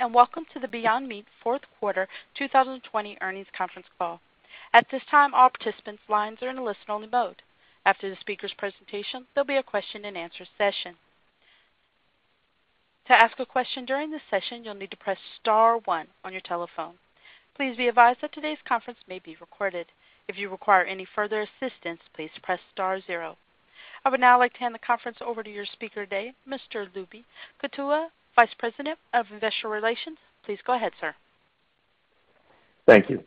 Welcome to the Beyond Meat fourth quarter 2020 earnings conference call. At this time, all participants lines are in a listen only mode. After the speaker's presentation, there'll be a question-and-answer session. To ask a question during this session, you'll need to press star one on your telephone. Please be advised that today's conference may be recorded. If you require any further assistance, please press star zero. I would now like to hand the conference over to your speaker today, Mr. Lubi Kutua, Vice President of Investor Relations. Please go ahead, sir. Thank you.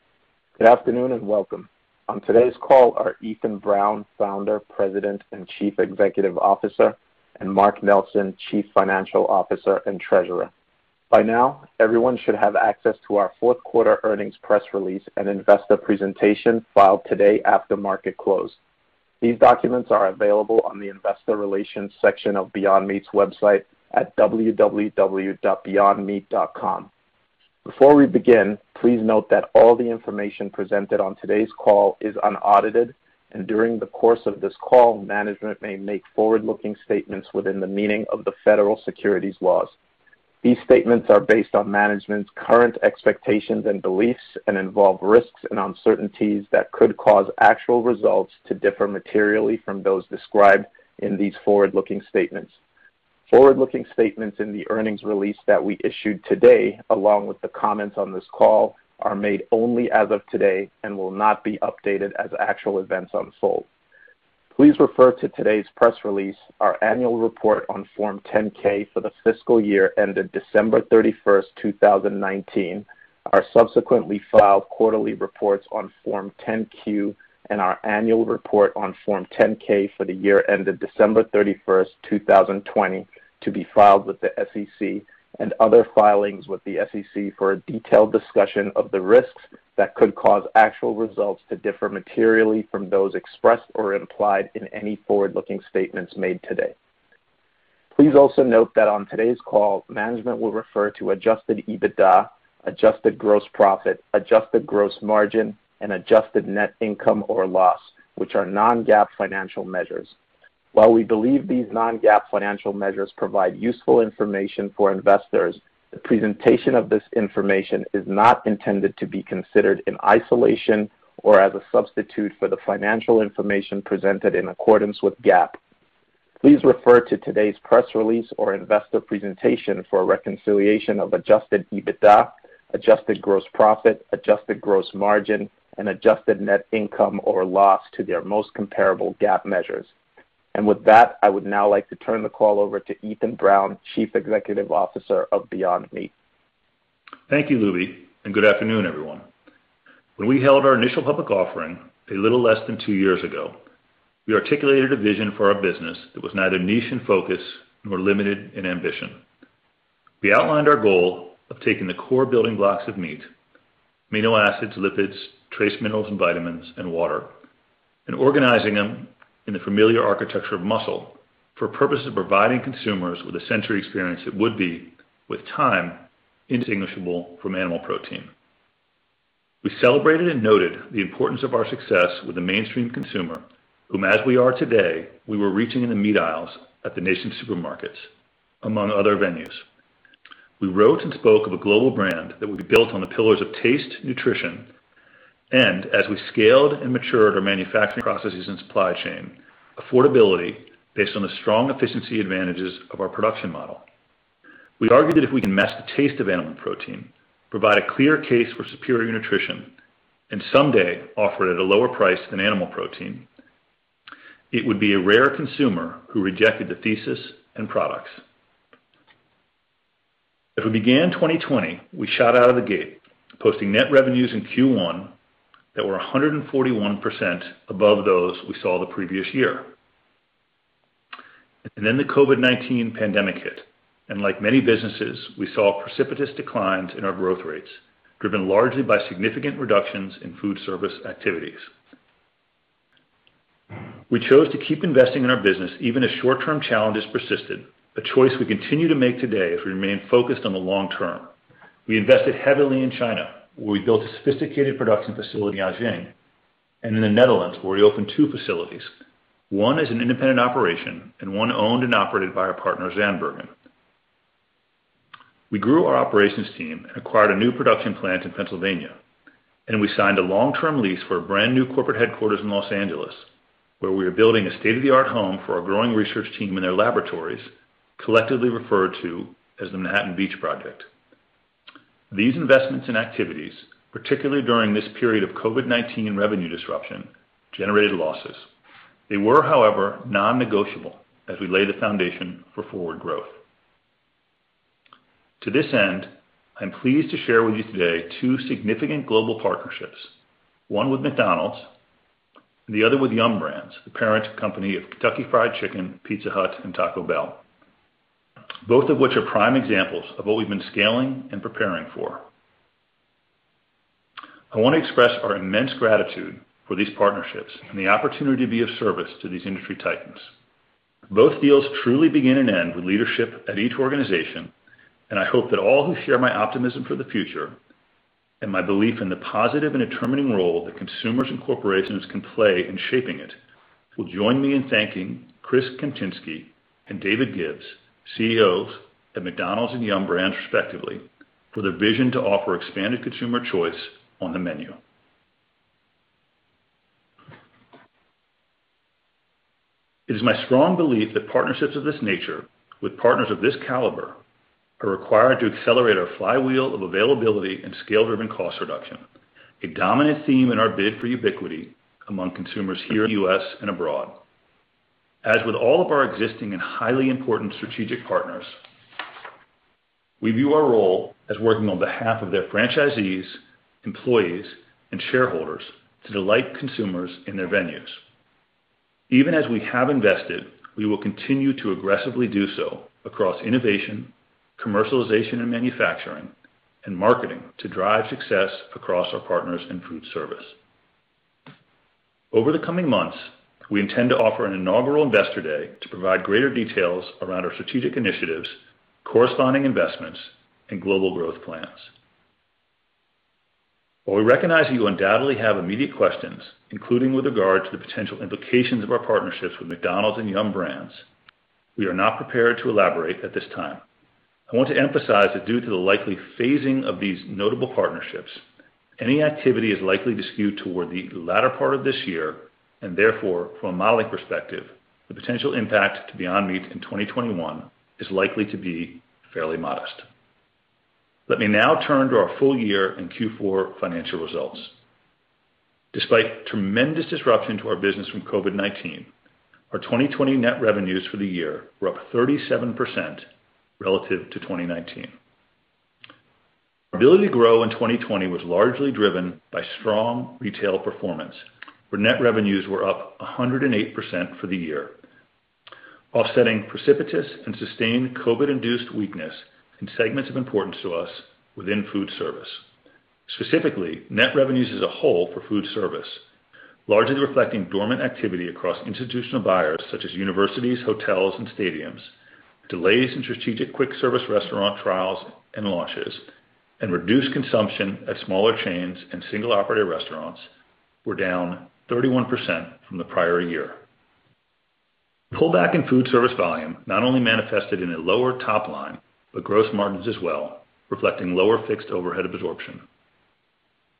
Good afternoon, and welcome. On today's call are Ethan Brown, Founder, President, and Chief Executive Officer, and Mark Nelson, Chief Financial Officer and Treasurer. By now, everyone should have access to our fourth quarter earnings press release and investor presentation filed today after market close. These documents are available on the investor relations section of Beyond Meat's website at www.beyondmeat.com. Before we begin, please note that all the information presented on today's call is unaudited, and during the course of this call, management may make forward-looking statements within the meaning of the federal securities laws. These statements are based on management's current expectations and beliefs and involve risks and uncertainties that could cause actual results to differ materially from those described in these forward-looking statements. Forward-looking statements in the earnings release that we issued today, along with the comments on this call, are made only as of today and will not be updated as actual events unfold. Please refer to today's press release, our annual report on Form 10-K for the fiscal year ended December 31st, 2019, our subsequently filed quarterly reports on Form 10-Q, and our annual report on Form 10-K for the year ended December 31st, 2020, to be filed with the SEC, and other filings with the SEC for a detailed discussion of the risks that could cause actual results to differ materially from those expressed or implied in any forward-looking statements made today. Please also note that on today's call, management will refer to adjusted EBITDA, adjusted gross profit, adjusted gross margin, and adjusted net income or loss, which are non-GAAP financial measures. While we believe these non-GAAP financial measures provide useful information for investors, the presentation of this information is not intended to be considered in isolation or as a substitute for the financial information presented in accordance with GAAP. Please refer to today's press release or investor presentation for a reconciliation of adjusted EBITDA, adjusted gross profit, adjusted gross margin, and adjusted net income or loss to their most comparable GAAP measures. With that, I would now like to turn the call over to Ethan Brown, Chief Executive Officer of Beyond Meat. Thank you, Lubi, and good afternoon, everyone. When we held our initial public offering a little less than two years ago, we articulated a vision for our business that was neither niche in focus nor limited in ambition. We outlined our goal of taking the core building blocks of meat, amino acids, lipids, trace minerals and vitamins, and water, and organizing them in the familiar architecture of muscle for purpose of providing consumers with a sensory experience that would be, with time, indistinguishable from animal protein. We celebrated and noted the importance of our success with the mainstream consumer, whom as we are today, we were reaching in the meat aisles at the nation's supermarkets, among other venues. We wrote and spoke of a global brand that would be built on the pillars of taste, nutrition, and as we scaled and matured our manufacturing processes and supply chain, affordability based on the strong efficiency advantages of our production model. We argued that if we can match the taste of animal protein, provide a clear case for superior nutrition, and someday offer it at a lower price than animal protein, it would be a rare consumer who rejected the thesis and products. As we began 2020, we shot out of the gate, posting net revenues in Q1 that were 141% above those we saw the previous year. The COVID-19 pandemic hit, and like many businesses, we saw precipitous declines in our growth rates, driven largely by significant reductions in foodservice activities. We chose to keep investing in our business, even as short-term challenges persisted, a choice we continue to make today as we remain focused on the long term. We invested heavily in China, where we built a sophisticated production facility in Jiaxing, and in the Netherlands, where we opened two facilities. One is an independent operation, and one owned and operated by our partner, Zandbergen. We grew our operations team and acquired a new production plant in Pennsylvania. We signed a long-term lease for a brand-new corporate headquarters in Los Angeles, where we are building a state-of-the-art home for our growing research team and their laboratories, collectively referred to as the Manhattan Beach Project. These investments and activities, particularly during this period of COVID-19 and revenue disruption, generated losses. They were, however, non-negotiable as we lay the foundation for forward growth. To this end, I'm pleased to share with you today two significant global partnerships, one with McDonald's and the other with Yum! Brands, the parent company of Kentucky Fried Chicken, Pizza Hut, and Taco Bell, both of which are prime examples of what we've been scaling and preparing for. I want to express our immense gratitude for these partnerships and the opportunity to be of service to these industry titans. Both deals truly begin and end with leadership at each organization, and I hope that all who share my optimism for the future. My belief in the positive and determining role that consumers and corporations can play in shaping it will join me in thanking Chris Kempczinski and David Gibbs, CEOs at McDonald's and Yum! Brands respectively, for their vision to offer expanded consumer choice on the menu. It is my strong belief that partnerships of this nature with partners of this caliber are required to accelerate our flywheel of availability and scale-driven cost reduction, a dominant theme in our bid for ubiquity among consumers here in the U.S. and abroad. As with all of our existing and highly important strategic partners, we view our role as working on behalf of their franchisees, employees, and shareholders to delight consumers in their venues. Even as we have invested, we will continue to aggressively do so across innovation, commercialization and manufacturing, and marketing to drive success across our partners in foodservice. Over the coming months, we intend to offer an inaugural Investor Day to provide greater details around our strategic initiatives, corresponding investments, and global growth plans. While we recognize that you undoubtedly have immediate questions, including with regard to the potential implications of our partnerships with McDonald's and Yum! Brands, we are not prepared to elaborate at this time. I want to emphasize that due to the likely phasing of these notable partnerships, any activity is likely to skew toward the latter part of this year, and therefore, from a modeling perspective, the potential impact to Beyond Meat in 2021 is likely to be fairly modest. Let me now turn to our full year and Q4 financial results. Despite tremendous disruption to our business from COVID-19, our 2020 net revenues for the year were up 37% relative to 2019. Our ability to grow in 2020 was largely driven by strong retail performance, where net revenues were up 108% for the year, offsetting precipitous and sustained COVID-induced weakness in segments of importance to us within foodservice. Specifically, net revenues as a whole for foodservice, largely reflecting dormant activity across institutional buyers such as universities, hotels, and stadiums, delays in strategic quick-service restaurant trials and launches, and reduced consumption at smaller chains and single-operator restaurants were down 31% from the prior year. The pullback in foodservice volume not only manifested in a lower top line, but gross margins as well, reflecting lower fixed overhead absorption.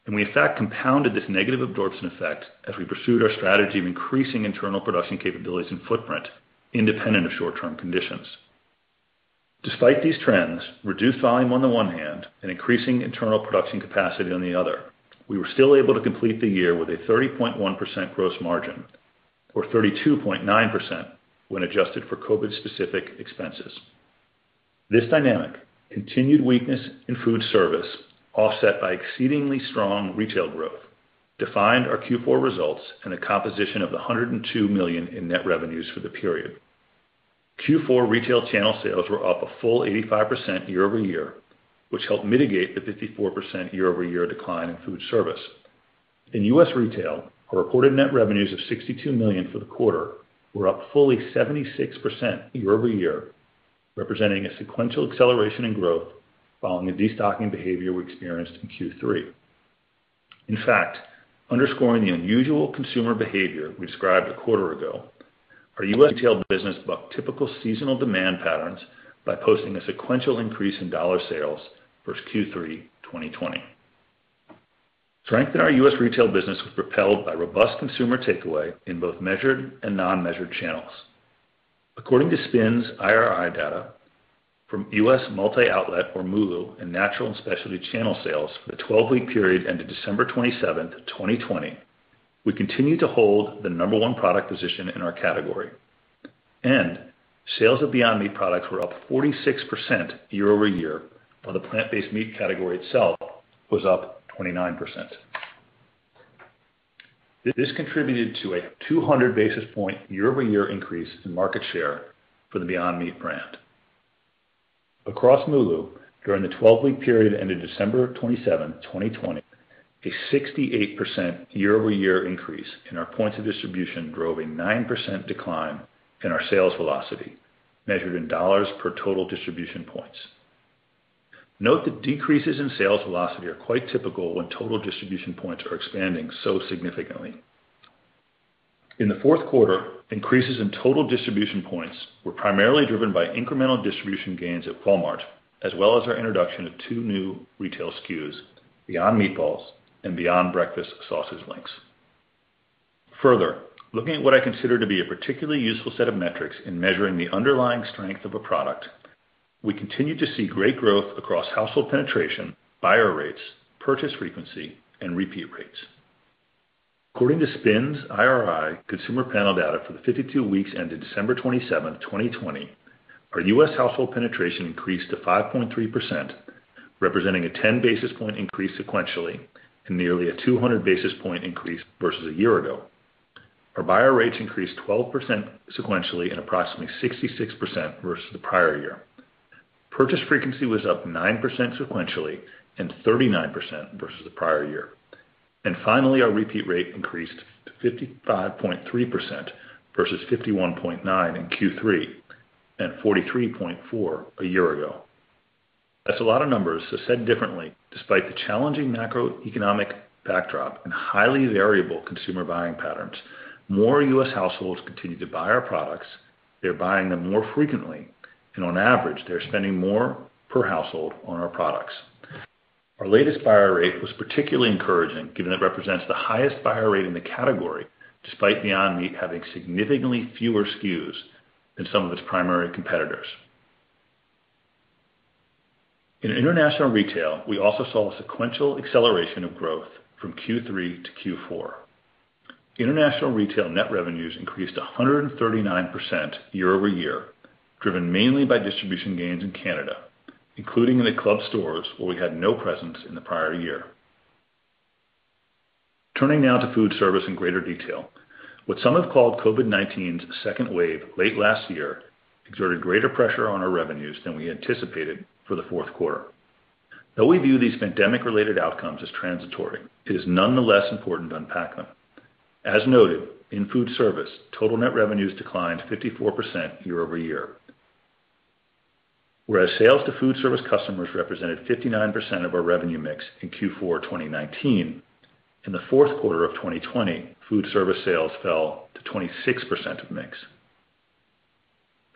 We in fact compounded this negative absorption effect as we pursued our strategy of increasing internal production capabilities and footprint independent of short-term conditions. Despite these trends, reduced volume on the one hand and increasing internal production capacity on the other, we were still able to complete the year with a 30.1% gross margin, or 32.9% when adjusted for COVID-specific expenses. This dynamic, continued weakness in foodservice offset by exceedingly strong retail growth, defined our Q4 results and the composition of the $102 million in net revenues for the period. Q4 retail channel sales were up a full 85% year-over-year, which helped mitigate the 54% year-over-year decline in foodservice. In U.S. retail, our reported net revenues of $62 million for the quarter were up fully 76% year-over-year, representing a sequential acceleration in growth following the destocking behavior we experienced in Q3. In fact, underscoring the unusual consumer behavior we described a quarter ago, our U.S. retail business bucked typical seasonal demand patterns by posting a sequential increase in dollar sales versus Q3 2020. Strength in our U.S. retail business was propelled by robust consumer takeaway in both measured and non-measured channels. According to SPINS and IRI data from U.S. multi-outlet or MULO and natural and specialty channel sales for the 12-week period ended December 27th, 2020, we continue to hold the number one product position in our category. Sales of Beyond Meat products were up 46% year-over-year, while the plant-based meat category itself was up 29%. This contributed to a 200-basis-point year-over-year increase in market share for the Beyond Meat brand. Across MULO, during the 12-week period ending December 27th, 2020, a 68% year-over-year increase in our points of distribution drove a 9% decline in our sales velocity, measured in dollars per total distribution points. Note that decreases in sales velocity are quite typical when total distribution points are expanding so significantly. In the fourth quarter, increases in total distribution points were primarily driven by incremental distribution gains at Walmart, as well as our introduction of two new retail SKUs, Beyond Meatballs and Beyond Breakfast Sausage Links. Further, looking at what I consider to be a particularly useful set of metrics in measuring the underlying strength of a product, we continue to see great growth across household penetration, buyer rates, purchase frequency, and repeat rates. According to SPINS/IRI consumer panel data for the 52 weeks ended December 27, 2020, our U.S. household penetration increased to 5.3%, representing a 10-basis-point increase sequentially and nearly a 200-basis-point increase versus a year ago. Our buyer rates increased 12% sequentially and approximately 66% versus the prior year. Purchase frequency was up 9% sequentially and 39% versus the prior year. Finally, our repeat rate increased to 55.3% versus 51.9% in Q3 and 43.4% a year ago. That's a lot of numbers. Said differently, despite the challenging macroeconomic backdrop and highly variable consumer buying patterns, more U.S. households continue to buy our products. They're buying them more frequently, and on average, they're spending more per household on our products. Our latest buyer rate was particularly encouraging, given it represents the highest buyer rate in the category, despite Beyond Meat having significantly fewer SKUs than some of its primary competitors. In international retail, we also saw a sequential acceleration of growth from Q3 to Q4. International retail net revenues increased 139% year-over-year, driven mainly by distribution gains in Canada, including in the club stores where we had no presence in the prior year. Turning now to foodservice in greater detail. What some have called COVID-19's second wave late last year exerted greater pressure on our revenues than we anticipated for the fourth quarter. Though we view these pandemic-related outcomes as transitory, it is nonetheless important to unpack them. As noted, in foodservice, total net revenues declined 54% year-over-year. Whereas sales to foodservice customers represented 59% of our revenue mix in Q4 2019, in the fourth quarter of 2020, foodservice sales fell to 26% of mix.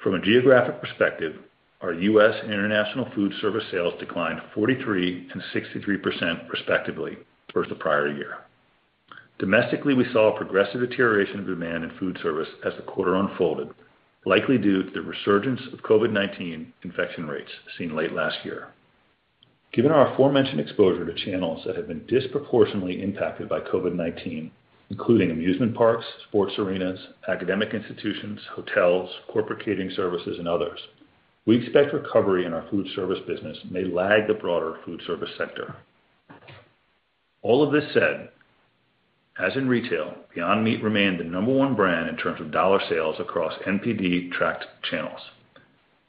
From a geographic perspective, our U.S. and international foodservice sales declined 43% and 63%, respectively, versus the prior year. Domestically, we saw a progressive deterioration of demand in foodservice as the quarter unfolded, likely due to the resurgence of COVID-19 infection rates seen late last year. Given our aforementioned exposure to channels that have been disproportionately impacted by COVID-19, including amusement parks, sports arenas, academic institutions, hotels, corporate catering services, and others, we expect recovery in our foodservice business may lag the broader foodservice sector. All of this said, as in retail, Beyond Meat remained the number one brand in terms of dollar sales across NPD-tracked channels.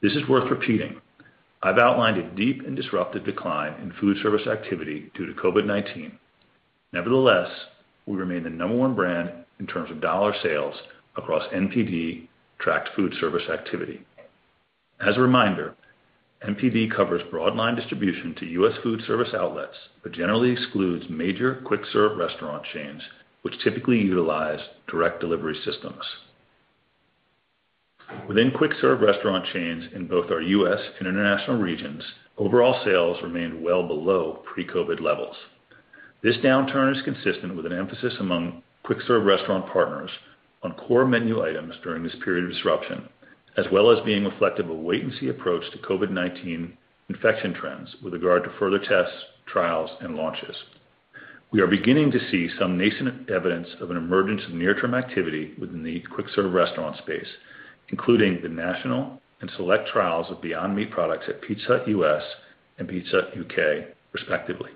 This is worth repeating. I've outlined a deep and disruptive decline in foodservice activity due to COVID-19. Nevertheless, we remain the number one brand in terms of dollar sales across NPD-tracked foodservice activity. As a reminder, NPD covers broad line distribution to U.S. foodservice outlets, but generally excludes major quick-serve restaurant chains, which typically utilize direct delivery systems. Within quick-serve restaurant chains in both our U.S. and international regions, overall sales remained well below pre-COVID levels. This downturn is consistent with an emphasis among quick-serve restaurant partners on core menu items during this period of disruption, as well as being reflective of a wait-and-see approach to COVID-19 infection trends with regard to further tests, trials, and launches. We are beginning to see some nascent evidence of an emergence of near-term activity within the quick-serve restaurant space, including the national and select trials of Beyond Meat products at Pizza Hut U.S. and Pizza Hut U.K. respectively.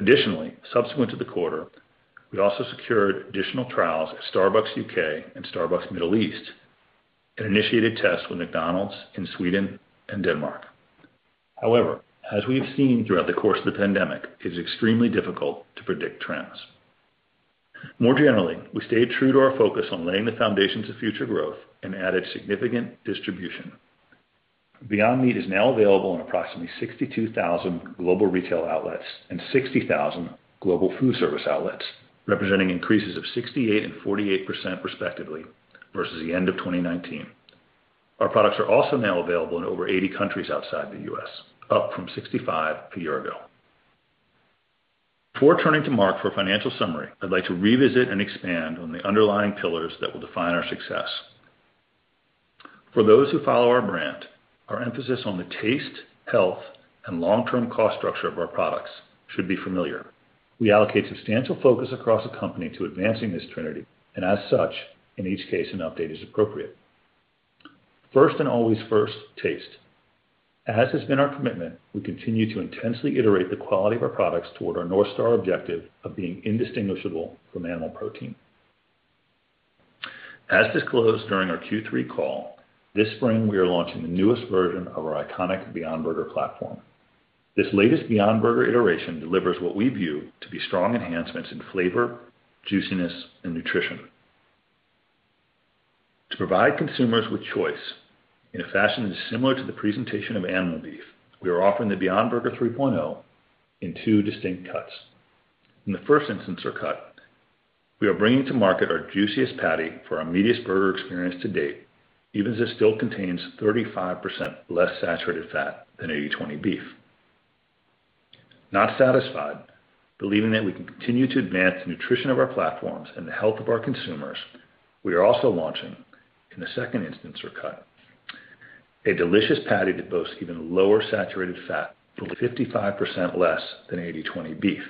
Additionally, subsequent to the quarter, we also secured additional trials at Starbucks U.K. and Starbucks Middle East and initiated tests with McDonald's in Sweden and Denmark. However, as we have seen throughout the course of the pandemic, it is extremely difficult to predict trends. More generally, we stayed true to our focus on laying the foundations of future growth and added significant distribution. Beyond Meat is now available in approximately 62,000 global retail outlets and 60,000 global foodservice outlets, representing increases of 68% and 48%, respectively, versus the end of 2019. Our products are also now available in over 80 countries outside the U.S., up from 65 a year ago. Before turning to Mark for a financial summary, I'd like to revisit and expand on the underlying pillars that will define our success. For those who follow our brand, our emphasis on the taste, health, and long-term cost structure of our products should be familiar. We allocate substantial focus across the company to advancing this trinity, and as such, in each case, an update is appropriate. First and always first, taste. As has been our commitment, we continue to intensely iterate the quality of our products toward our North Star objective of being indistinguishable from animal protein. As disclosed during our Q3 call, this spring, we are launching the newest version of our iconic Beyond Burger platform. This latest Beyond Burger iteration delivers what we view to be strong enhancements in flavor, juiciness, and nutrition. To provide consumers with choice in a fashion that is similar to the presentation of animal beef, we are offering the Beyond Burger 3.0 in two distinct cuts. In the first instance or cut, we are bringing to market our juiciest patty for our meatiest burger experience to date, even as it still contains 35% less saturated fat than 80/20 beef. Not satisfied, believing that we can continue to advance the nutrition of our platforms and the health of our consumers, we are also launching, in the second instance or cut, a delicious patty that boasts even lower saturated fat, fully 55% less than 80/20 beef.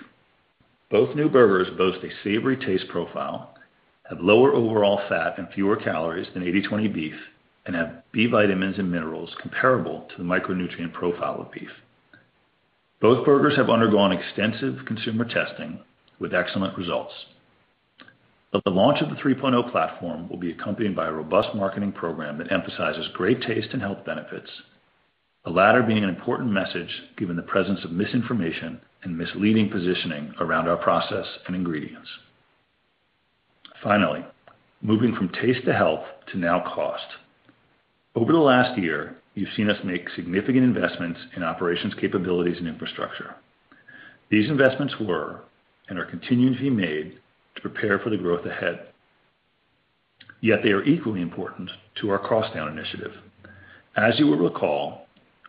Both new burgers boast a savory taste profile, have lower overall fat and fewer calories than 80/20 beef, and have B vitamins and minerals comparable to the micronutrient profile of beef. Both burgers have undergone extensive consumer testing with excellent results. The launch of the 3.0 platform will be accompanied by a robust marketing program that emphasizes great taste and health benefits, the latter being an important message given the presence of misinformation and misleading positioning around our process and ingredients. Finally, moving from taste to health to now cost. Over the last year, you've seen us make significant investments in operations capabilities and infrastructure. These investments were and are continuing to be made to prepare for the growth ahead, yet they are equally important to our cost-down initiative. As you will recall,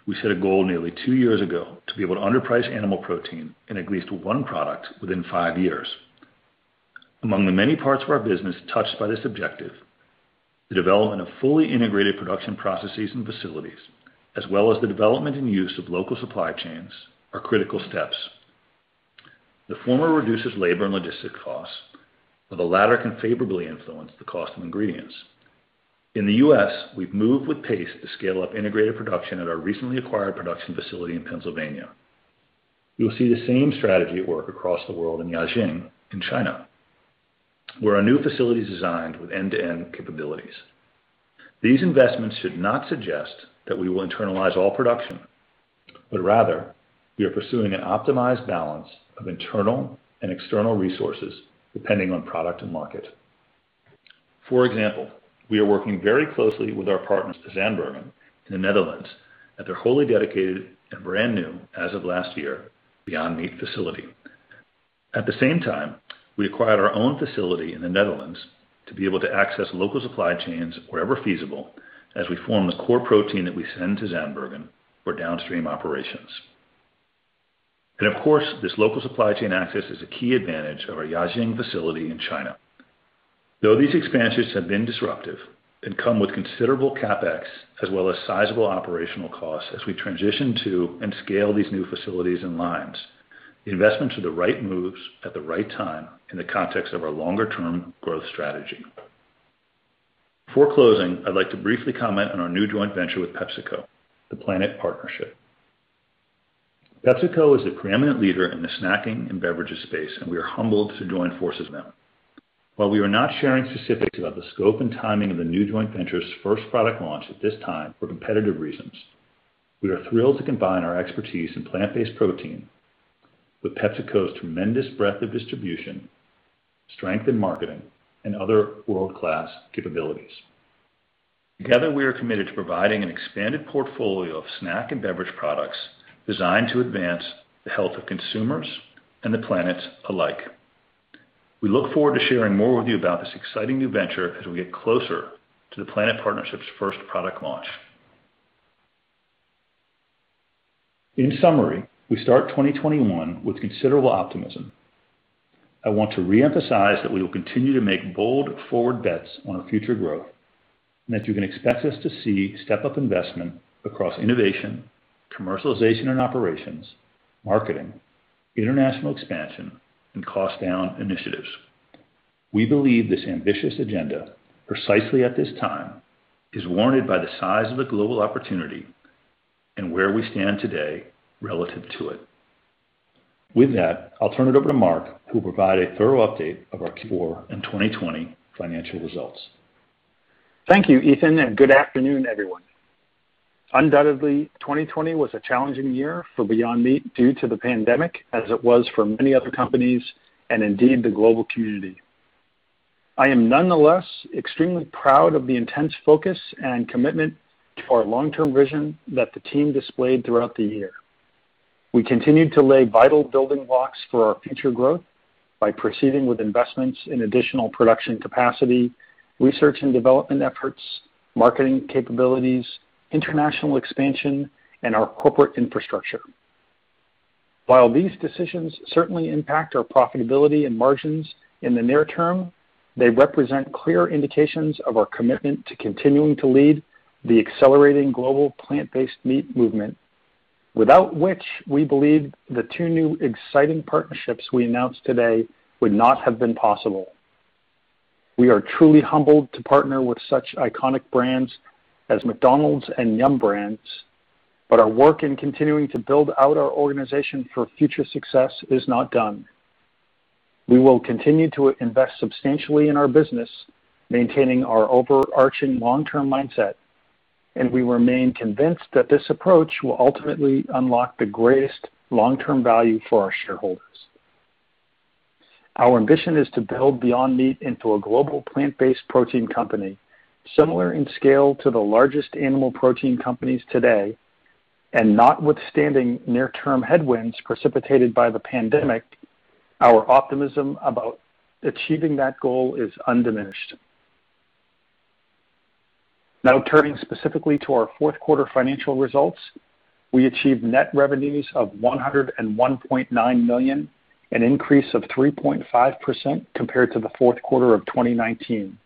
we set a goal nearly two years ago to be able to underprice animal protein in at least one product within five years. Among the many parts of our business touched by this objective, the development of fully integrated production processes and facilities, as well as the development and use of local supply chains, are critical steps. The former reduces labor and logistic costs, while the latter can favorably influence the cost of ingredients. In the U.S., we've moved with pace to scale up integrated production at our recently acquired production facility in Pennsylvania. You will see the same strategy at work across the world in Jiaxing, in China, where our new facility is designed with end-to-end capabilities. These investments should not suggest that we will internalize all production, but rather we are pursuing an optimized balance of internal and external resources depending on product and market. For example, we are working very closely with our partners at Zandbergen in the Netherlands at their wholly dedicated and brand new, as of last year, Beyond Meat facility. At the same time, we acquired our own facility in the Netherlands to be able to access local supply chains wherever feasible as we form the core protein that we send to Zandbergen for downstream operations. Of course, this local supply chain access is a key advantage of our Jiaxing facility in China. Though these expansions have been disruptive and come with considerable CapEx as well as sizable operational costs as we transition to and scale these new facilities and lines, the investments are the right moves at the right time in the context of our longer-term growth strategy. Before closing, I'd like to briefly comment on our new joint venture with PepsiCo, The PLANeT Partnership. PepsiCo is the preeminent leader in the snacking and beverages space, and we are humbled to join forces with them. While we are not sharing specifics about the scope and timing of the new joint venture's first product launch at this time for competitive reasons, we are thrilled to combine our expertise in plant-based protein with PepsiCo's tremendous breadth of distribution, strength in marketing, and other world-class capabilities. Together, we are committed to providing an expanded portfolio of snack and beverage products designed to advance the health of consumers and the planet alike. We look forward to sharing more with you about this exciting new venture as we get closer to the PLANeT Partnership's first product launch. In summary, we start 2021 with considerable optimism. I want to reemphasize that we will continue to make bold forward bets on our future growth, and that you can expect us to see step-up investment across innovation, commercialization and operations, marketing, international expansion, and cost-down initiatives. We believe this ambitious agenda, precisely at this time, is warranted by the size of the global opportunity and where we stand today relative to it. With that, I'll turn it over to Mark, who will provide a thorough update of our Q4 and 2020 financial results. Thank you, Ethan, and good afternoon, everyone. Undoubtedly, 2020 was a challenging year for Beyond Meat due to the pandemic, as it was for many other companies and indeed the global community. I am nonetheless extremely proud of the intense focus and commitment to our long-term vision that the team displayed throughout the year. We continued to lay vital building blocks for our future growth by proceeding with investments in additional production capacity, research and development efforts, marketing capabilities, international expansion, and our corporate infrastructure. While these decisions certainly impact our profitability and margins in the near term, they represent clear indications of our commitment to continuing to lead the accelerating global plant-based meat movement, without which we believe the two new exciting partnerships we announced today would not have been possible. We are truly humbled to partner with such iconic brands as McDonald's and Yum! Brands, but our work in continuing to build out our organization for future success is not done. We will continue to invest substantially in our business, maintaining our overarching long-term mindset, and we remain convinced that this approach will ultimately unlock the greatest long-term value for our shareholders. Our ambition is to build Beyond Meat into a global plant-based protein company, similar in scale to the largest animal protein companies today, and notwithstanding near-term headwinds precipitated by the pandemic, our optimism about achieving that goal is undiminished. Now turning specifically to our fourth quarter financial results, we achieved net revenues of $101.9 million, an increase of 3.5% compared to the fourth quarter of 2019.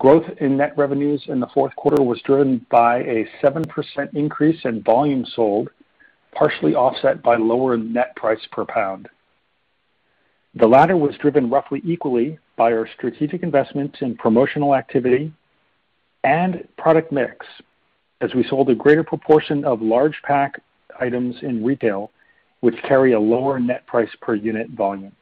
Growth in net revenues in the fourth quarter was driven by a 7% increase in volume sold, partially offset by lower net price per pound. The latter was driven roughly equally by our strategic investments in promotional activity and product mix, as we sold a greater proportion of large pack items in retail, which carry a lower net price per unit volume.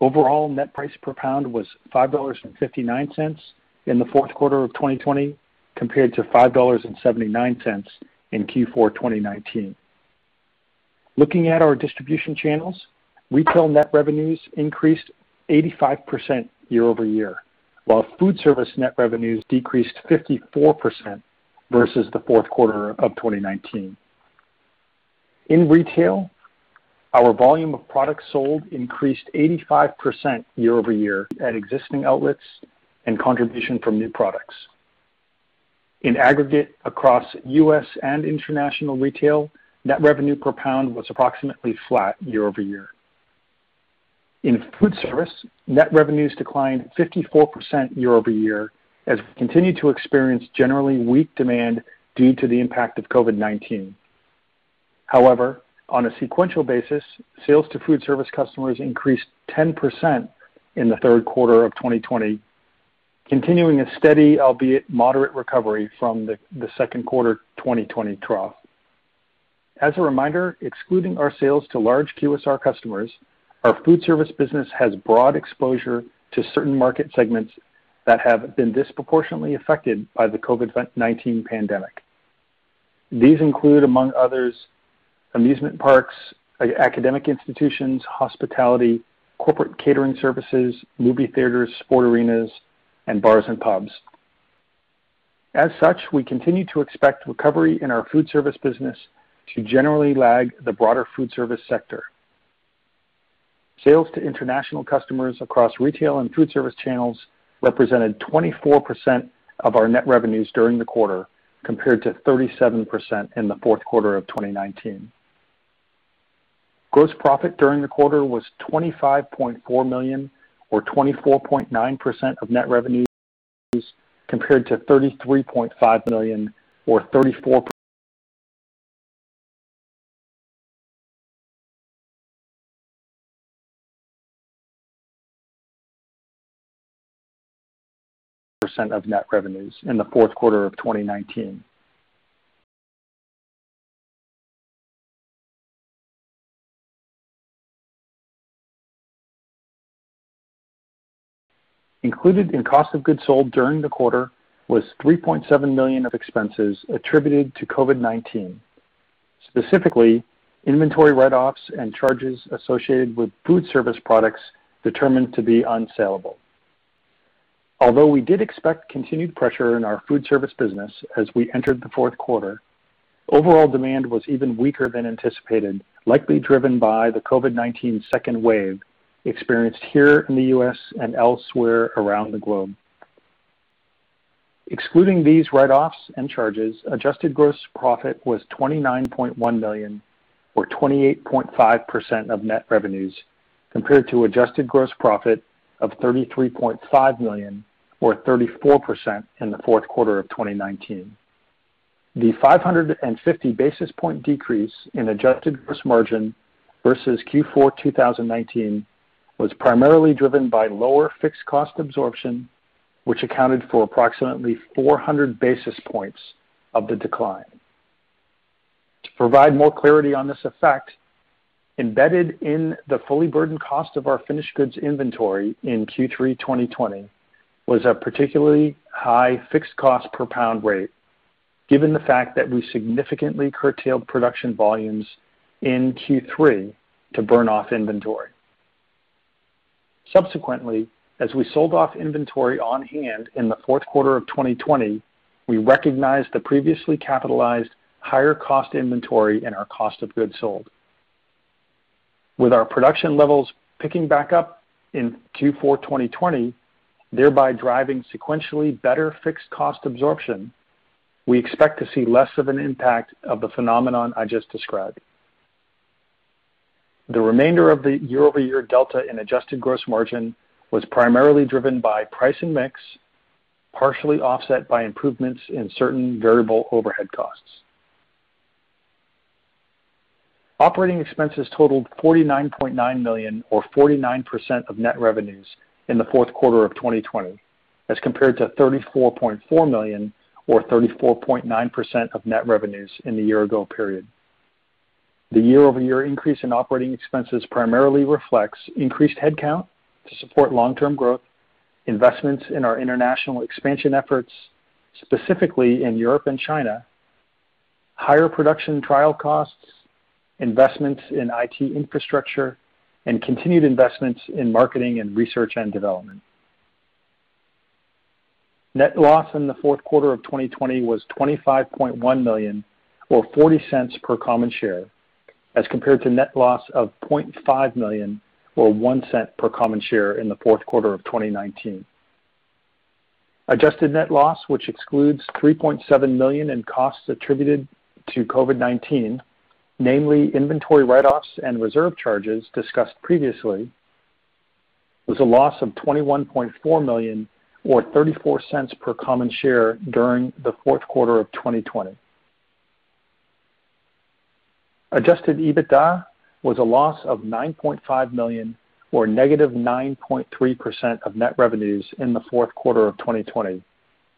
Overall net price per pound was $5.59 in the fourth quarter of 2020, compared to $5.79 in Q4 2019. Looking at our distribution channels, retail net revenues increased 85% year-over-year, while foodservice net revenues decreased 54% versus the fourth quarter of 2019. In retail, our volume of products sold increased 85% year-over-year at existing outlets and contribution from new products. In aggregate across U.S. and international retail, net revenue per pound was approximately flat year-over-year. In foodservice, net revenues declined 54% year-over-year as we continue to experience generally weak demand due to the impact of COVID-19. However, on a sequential basis, sales to foodservice customers increased 10% in the third quarter of 2020, continuing a steady, albeit moderate, recovery from the second quarter 2020 trough. As a reminder, excluding our sales to large QSR customers, our foodservice business has broad exposure to certain market segments that have been disproportionately affected by the COVID-19 pandemic. These include, among others, amusement parks, academic institutions, hospitality, corporate catering services, movie theaters, sports arenas, and bars and pubs. As such, we continue to expect recovery in our foodservice business to generally lag the broader foodservice sector. Sales to international customers across retail and foodservice channels represented 24% of our net revenues during the quarter, compared to 37% in the fourth quarter of 2019. Gross profit during the quarter was $25.4 million or 24.9% of net revenues, compared to $33.5 million or 34% of net revenues in the fourth quarter of 2019. Included in cost of goods sold during the quarter was $3.7 million of expenses attributed to COVID-19, specifically inventory write-offs and charges associated with foodservice products determined to be unsaleable. Although we did expect continued pressure in our foodservice business as we entered the fourth quarter, overall demand was even weaker than anticipated, likely driven by the COVID-19 second wave experienced here in the U.S. and elsewhere around the globe. Excluding these write-offs and charges, adjusted gross profit was $29.1 million or 28.5% of net revenues, compared to adjusted gross profit of $33.5 million or 34% in the fourth quarter of 2019. The 550-basis-point decrease in adjusted gross margin versus Q4 2019 was primarily driven by lower fixed cost absorption, which accounted for approximately 400 basis points of the decline. To provide more clarity on this effect, embedded in the fully burdened cost of our finished goods inventory in Q3 2020 was a particularly high fixed cost per pound rate, given the fact that we significantly curtailed production volumes in Q3 to burn off inventory. Subsequently, as we sold off inventory on hand in the fourth quarter of 2020, we recognized the previously capitalized higher cost inventory in our cost of goods sold. With our production levels picking back up in Q4 2020, thereby driving sequentially better fixed cost absorption, we expect to see less of an impact of the phenomenon I just described. The remainder of the year-over-year delta in adjusted gross margin was primarily driven by price and mix, partially offset by improvements in certain variable overhead costs. Operating expenses totaled $49.9 million or 49% of net revenues in the fourth quarter of 2020, as compared to $34.4 million or 34.9% of net revenues in the year-ago period. The year-over-year increase in operating expenses primarily reflects increased headcount to support long-term growth, investments in our international expansion efforts, specifically in Europe and China, higher production trial costs, investments in IT infrastructure, and continued investments in marketing and research and development. Net loss in the fourth quarter of 2020 was $25.1 million or $0.40 per common share, as compared to net loss of $0.5 million or $0.01 per common share in the fourth quarter of 2019. Adjusted net loss, which excludes $3.7 million in costs attributed to COVID-19, namely inventory write-offs and reserve charges discussed previously, was a loss of $21.4 million or $0.34 per common share during the fourth quarter of 2020. Adjusted EBITDA was a loss of $9.5 million or -9.3% of net revenues in the fourth quarter of 2020,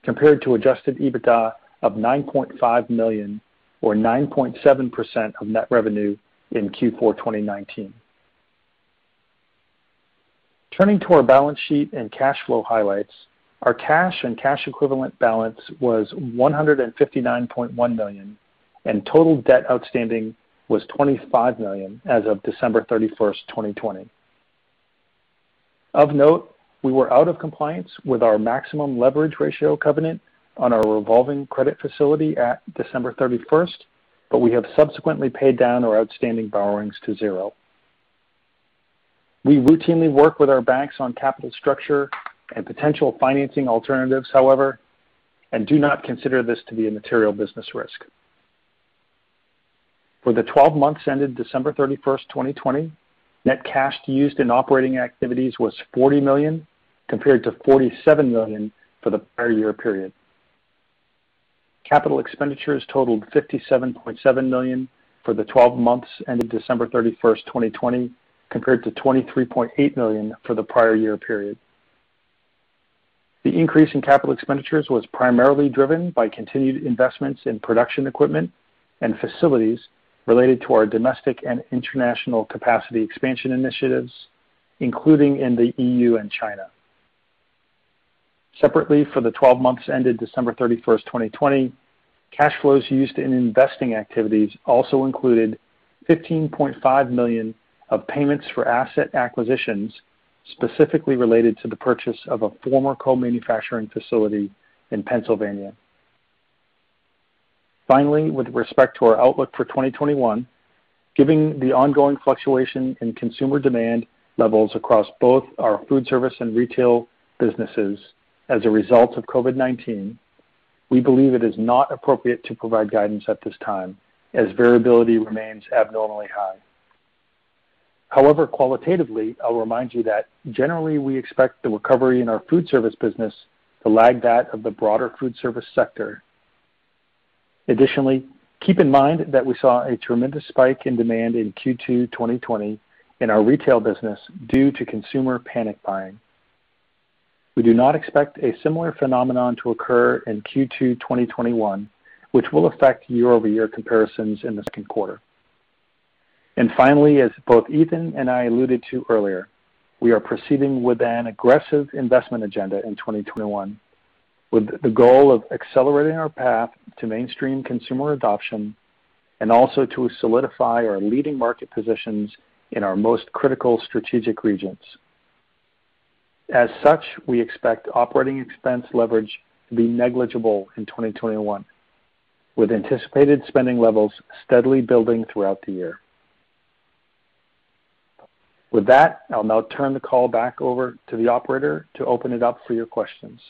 compared to adjusted EBITDA of $9.5 million or 9.7% of net revenue in Q4 2019. Turning to our balance sheet and cash flow highlights, our cash and cash equivalent balance was $159.1 million, and total debt outstanding was $25 million as of December 31st, 2020. Of note, we were out of compliance with our maximum leverage ratio covenant on our revolving credit facility at December 31st, but we have subsequently paid down our outstanding borrowings to zero. We routinely work with our banks on capital structure and potential financing alternatives, however, and do not consider this to be a material business risk. For the 12 months ended December 31st, 2020, net cash used in operating activities was $40 million, compared to $47 million for the prior-year period. Capital expenditures totaled $57.7 million for the 12 months ended December 31st, 2020, compared to $23.8 million for the prior-year period. The increase in capital expenditures was primarily driven by continued investments in production equipment and facilities related to our domestic and international capacity expansion initiatives, including in the EU and China. Separately, for the 12 months ended December 31st, 2020, cash flows used in investing activities also included $15.5 million of payments for asset acquisitions, specifically related to the purchase of a former co-manufacturing facility in Pennsylvania. Finally, with respect to our outlook for 2021, given the ongoing fluctuation in consumer demand levels across both our foodservice and retail businesses as a result of COVID-19, we believe it is not appropriate to provide guidance at this time as variability remains abnormally high. However, qualitatively, I'll remind you that generally we expect the recovery in our foodservice business to lag that of the broader foodservice sector. Additionally, keep in mind that we saw a tremendous spike in demand in Q2 2020 in our retail business due to consumer panic buying. We do not expect a similar phenomenon to occur in Q2 2021, which will affect year-over-year comparisons in the second quarter. Finally, as both Ethan and I alluded to earlier, we are proceeding with an aggressive investment agenda in 2021 with the goal of accelerating our path to mainstream consumer adoption and also to solidify our leading market positions in our most critical strategic regions. As such, we expect operating expense leverage to be negligible in 2021, with anticipated spending levels steadily building throughout the year. With that, I'll now turn the call back over to the operator to open it up for your questions.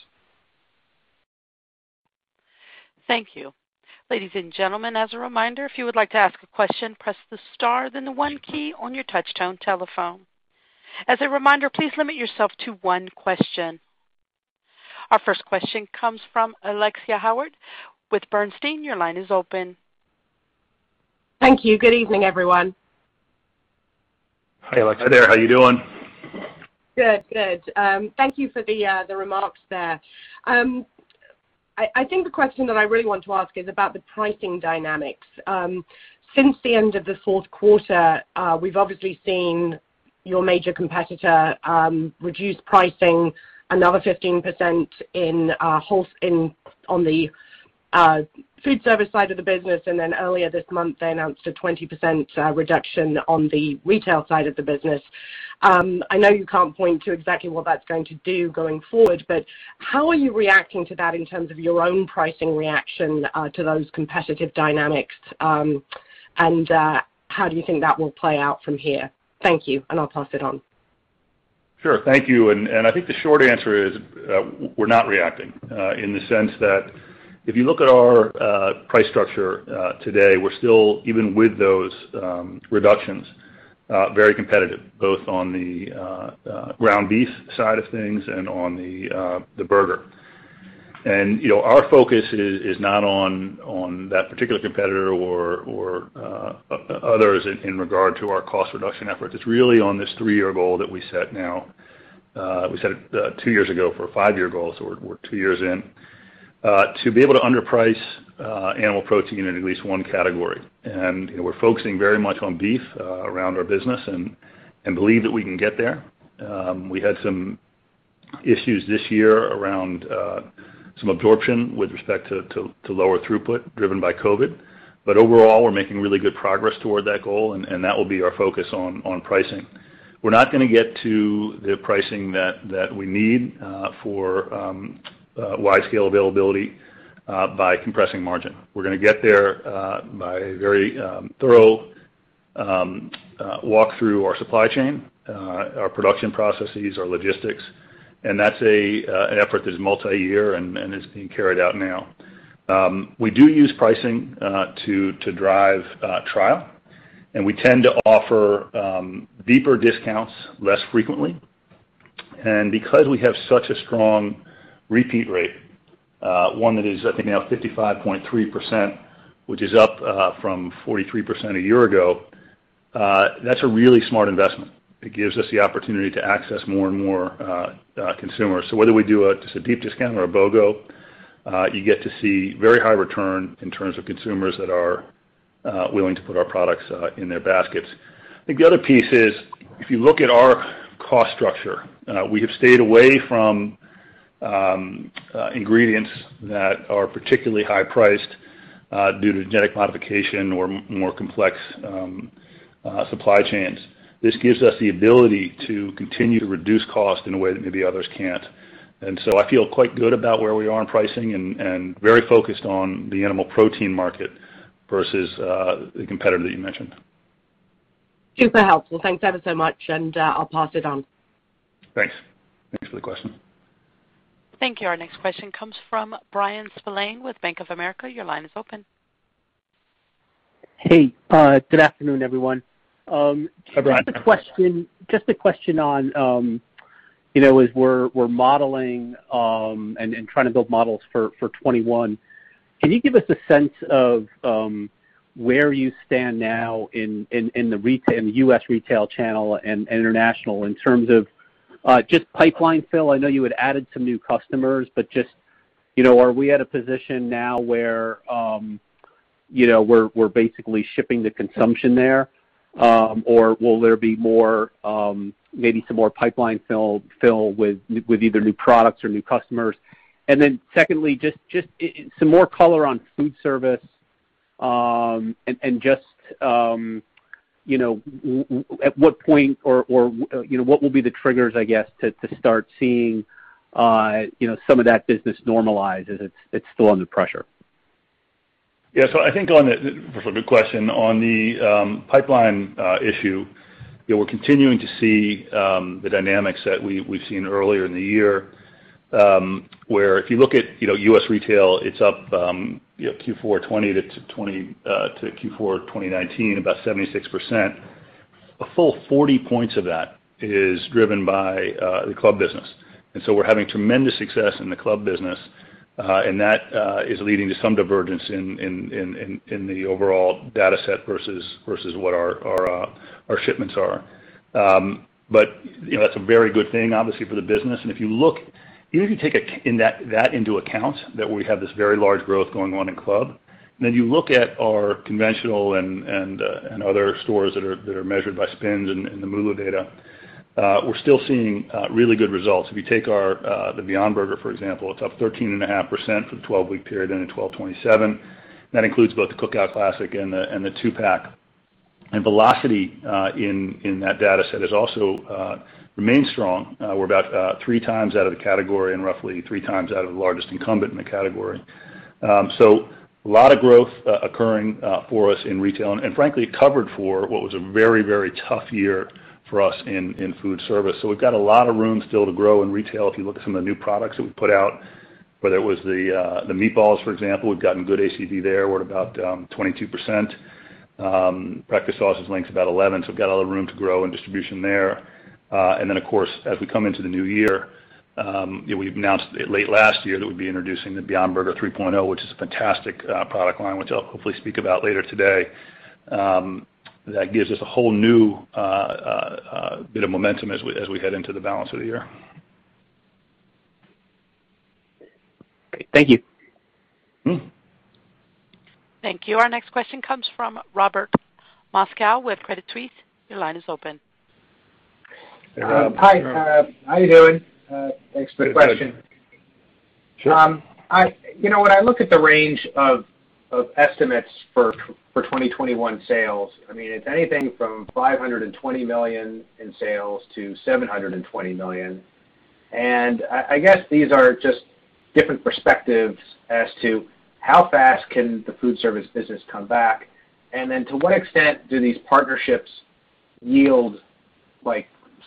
Thank you. Ladies and gentlemen, as a reminder, please limit yourself to one question. Our first question comes from Alexia Howard with Bernstein. Your line is open. Thank you. Good evening, everyone. Hi, Alexia. Hi there. How you doing? Good. Thank you for the remarks there. I think the question that I really want to ask is about the pricing dynamics. Since the end of the fourth quarter, we've obviously seen your major competitor reduce pricing another 15% on the foodservice side of the business, then earlier this month, they announced a 20% reduction on the retail side of the business. I know you can't point to exactly what that's going to do going forward, but how are you reacting to that in terms of your own pricing reaction to those competitive dynamics? How do you think that will play out from here? Thank you, and I'll pass it on. Sure. Thank you. I think the short answer is we're not reacting in the sense that if you look at our price structure today, we're still, even with those reductions, very competitive, both on the ground beef side of things and on the burger. Our focus is not on that particular competitor or others in regard to our cost reduction efforts. It's really on this three-year goal that we set now. We set it two years ago for a five-year goal, so we're two years in to be able to underprice animal protein in at least one category. We're focusing very much on beef around our business and believe that we can get there. We had some issues this year around some absorption with respect to lower throughput driven by COVID. Overall, we're making really good progress toward that goal, and that will be our focus on pricing. We're not going to get to the pricing that we need for wide-scale availability by compressing margin. We're going to get there by very thorough walk through our supply chain, our production processes, our logistics, and that's an effort that's multi-year and is being carried out now. We do use pricing to drive trial, and we tend to offer deeper discounts less frequently. Because we have such a strong repeat rate, one that is, I think now 55.3%, which is up from 43% a year ago, that's a really smart investment. It gives us the opportunity to access more and more consumers. Whether we do a deep discount or a BOGO, you get to see very high return in terms of consumers that are willing to put our products in their baskets. I think the other piece is, if you look at our cost structure, we have stayed away from ingredients that are particularly high priced due to genetic modification or more complex supply chains. This gives us the ability to continue to reduce cost in a way that maybe others can't. I feel quite good about where we are in pricing and very focused on the animal protein market versus the competitor that you mentioned. Super helpful. Thanks ever so much. I'll pass it on. Thanks. Thanks for the question. Thank you. Our next question comes from Bryan Spillane with Bank of America. Your line is open. Hey. Good afternoon, everyone. Hi, Bryan. Just a question on, as we're modeling and trying to build models for 2021, can you give us a sense of where you stand now in the U.S. retail channel and international in terms of just pipeline fill? I know you had added some new customers, but just are we at a position now where we're basically shipping to consumption there? Or will there be maybe some more pipeline fill with either new products or new customers? Secondly, just some more color on foodservice and just at what point or what will be the triggers, I guess, to start seeing some of that business normalize as it's still under pressure? Yeah. First of all, good question. On the pipeline issue, we're continuing to see the dynamics that we've seen earlier in the year, where if you look at U.S. retail, it's up Q4 2020 to Q4 2019, about 76%. A full 40 points of that is driven by the club business. We're having tremendous success in the club business, and that is leading to some divergence in the overall data set versus what our shipments are. That's a very good thing, obviously, for the business. If you take that into account, that we have this very large growth going on in club, then you look at our conventional and other stores that are measured by SPINS and the MULO data, we're still seeing really good results. If you take the Beyond Burger, for example, it's up 13.5% for the 12-week period ending 12/27. That includes both the Cookout Classic and the 2-pack. Velocity in that data set has also remained strong. We're about 3x out of the category and roughly 3x out of the largest incumbent in the category. A lot of growth occurring for us in retail, and frankly, it covered for what was a very, very tough year for us in foodservice. We've got a lot of room still to grow in retail if you look at some of the new products that we've put out, whether it was the Meatballs, for example, we've gotten good ACV there. We're at about 22%. Breakfast Sausage Links is about 11%, so we've got a lot of room to grow in distribution there. Of course, as we come into the new year, we've announced late last year that we'd be introducing the Beyond Burger 3.0, which is a fantastic product line, which I'll hopefully speak about later today. That gives us a whole new bit of momentum as we head into the balance of the year. Great. Thank you. Thank you. Our next question comes from Robert Moskow with Credit Suisse. Your line is open. Hi. How you doing? Thanks for the question. Sure. When I look at the range of estimates for 2021 sales, it's anything from $520 million in sales to $720 million. I guess these are just different perspectives as to how fast can the foodservice business come back, and then to what extent do these partnerships yield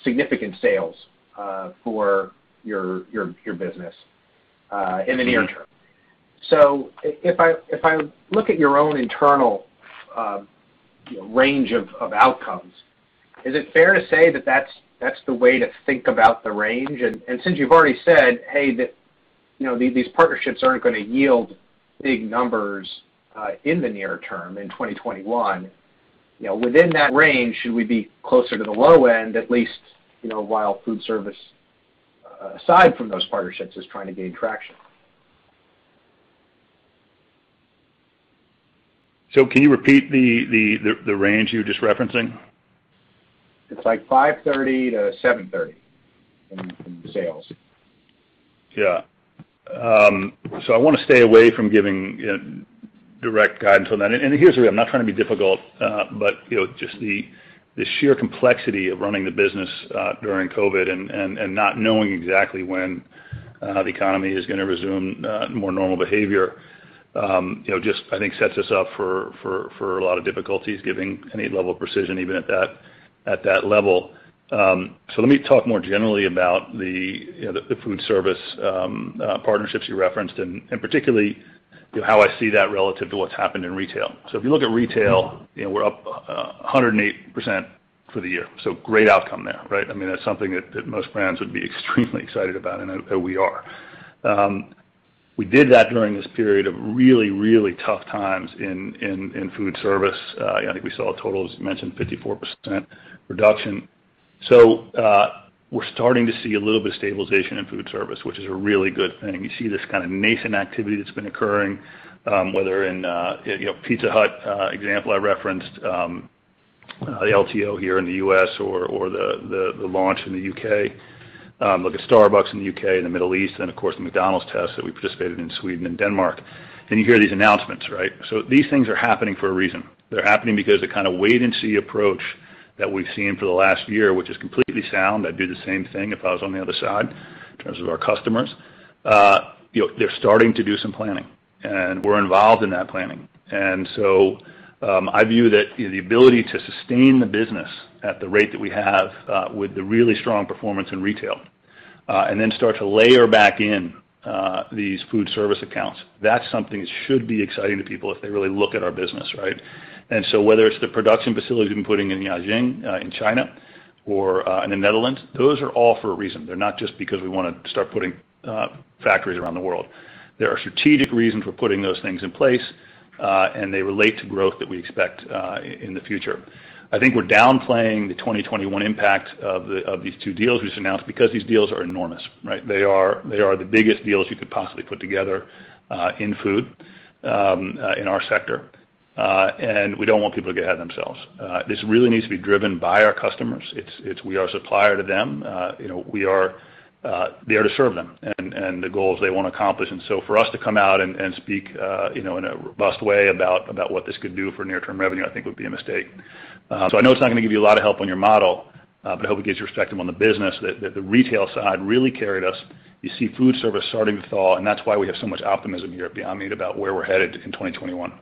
significant sales for your business in the near term? If I look at your own internal range of outcomes, is it fair to say that that's the way to think about the range? Since you've already said, hey, these partnerships aren't going to yield big numbers in the near term in 2021. Within that range, should we be closer to the low end, at least, while foodservice, aside from those partnerships, is trying to gain traction? Can you repeat the range you were just referencing? It's like $530 million-$730 million in sales. Yeah. I want to stay away from giving direct guidance on that. Here's the thing, I'm not trying to be difficult, but just the sheer complexity of running the business during COVID and not knowing exactly when the economy is going to resume more normal behavior, just, I think, sets us up for a lot of difficulties giving any level of precision, even at that level. Let me talk more generally about the foodservice partnerships you referenced, and particularly how I see that relative to what's happened in retail. If you look at retail, we're up 108% for the year. Great outcome there, right? That's something that most brands would be extremely excited about, and we are. We did that during this period of really tough times in foodservice. I think we saw a total, as you mentioned, 54% reduction. We're starting to see a little bit of stabilization in foodservice, which is a really good thing. You see this kind of nascent activity that's been occurring, whether in Pizza Hut example I referenced, the LTO here in the U.S. or the launch in the U.K. Look at Starbucks in the U.K. and the Middle East and, of course, the McDonald's test that we participated in Sweden and Denmark. You hear these announcements, right? These things are happening for a reason. They're happening because the kind of wait-and-see approach that we've seen for the last year, which is completely sound. I'd do the same thing if I was on the other side in terms of our customers. They're starting to do some planning, and we're involved in that planning. I view that the ability to sustain the business at the rate that we have with the really strong performance in retail, and then start to layer back in these foodservice accounts, that's something that should be exciting to people if they really look at our business, right? Whether it's the production facilities we've been putting in Jiaxing, in China or in the Netherlands, those are all for a reason. They're not just because we want to start putting factories around the world. There are strategic reasons we're putting those things in place, and they relate to growth that we expect in the future. I think we're downplaying the 2021 impact of these two deals we just announced because these deals are enormous, right? They are the biggest deals you could possibly put together in food, in our sector. We don't want people to get ahead of themselves. This really needs to be driven by our customers. We are a supplier to them. We are there to serve them and the goals they want to accomplish. For us to come out and speak in a robust way about what this could do for near-term revenue, I think would be a mistake. I know it's not going to give you a lot of help on your model, but I hope it gives you perspective on the business that the retail side really carried us. You see foodservice starting to thaw, and that's why we have so much optimism here at Beyond Meat about where we're headed in 2021.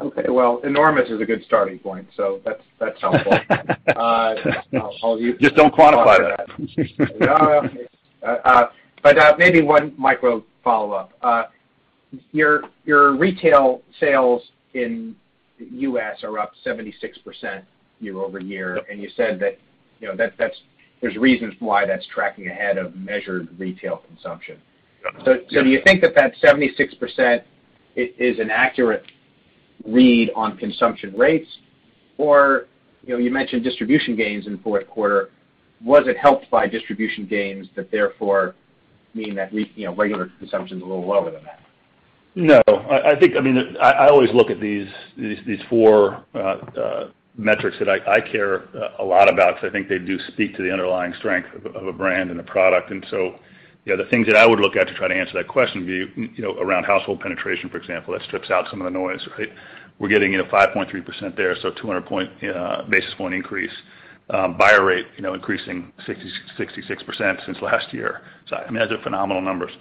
Okay. Well, enormous is a good starting point, so that's helpful. Just don't quantify that. No. Maybe one micro follow-up. Your retail sales in the U.S. are up 76% year-over-year, and you said that there's reasons why that's tracking ahead of measured retail consumption. Do you think that that 76% is an accurate read on consumption rates? You mentioned distribution gains in the fourth quarter. Was it helped by distribution gains that therefore mean that regular consumption is a little lower than that? No. I always look at these four metrics that I care a lot about because I think they do speak to the underlying strength of a brand and a product. The things that I would look at to try to answer that question would be around household penetration, for example. That strips out some of the noise, right? We're getting 5.3% there, 200-basis-point increase. Buyer rate increasing 66% since last year. Those are phenomenal numbers.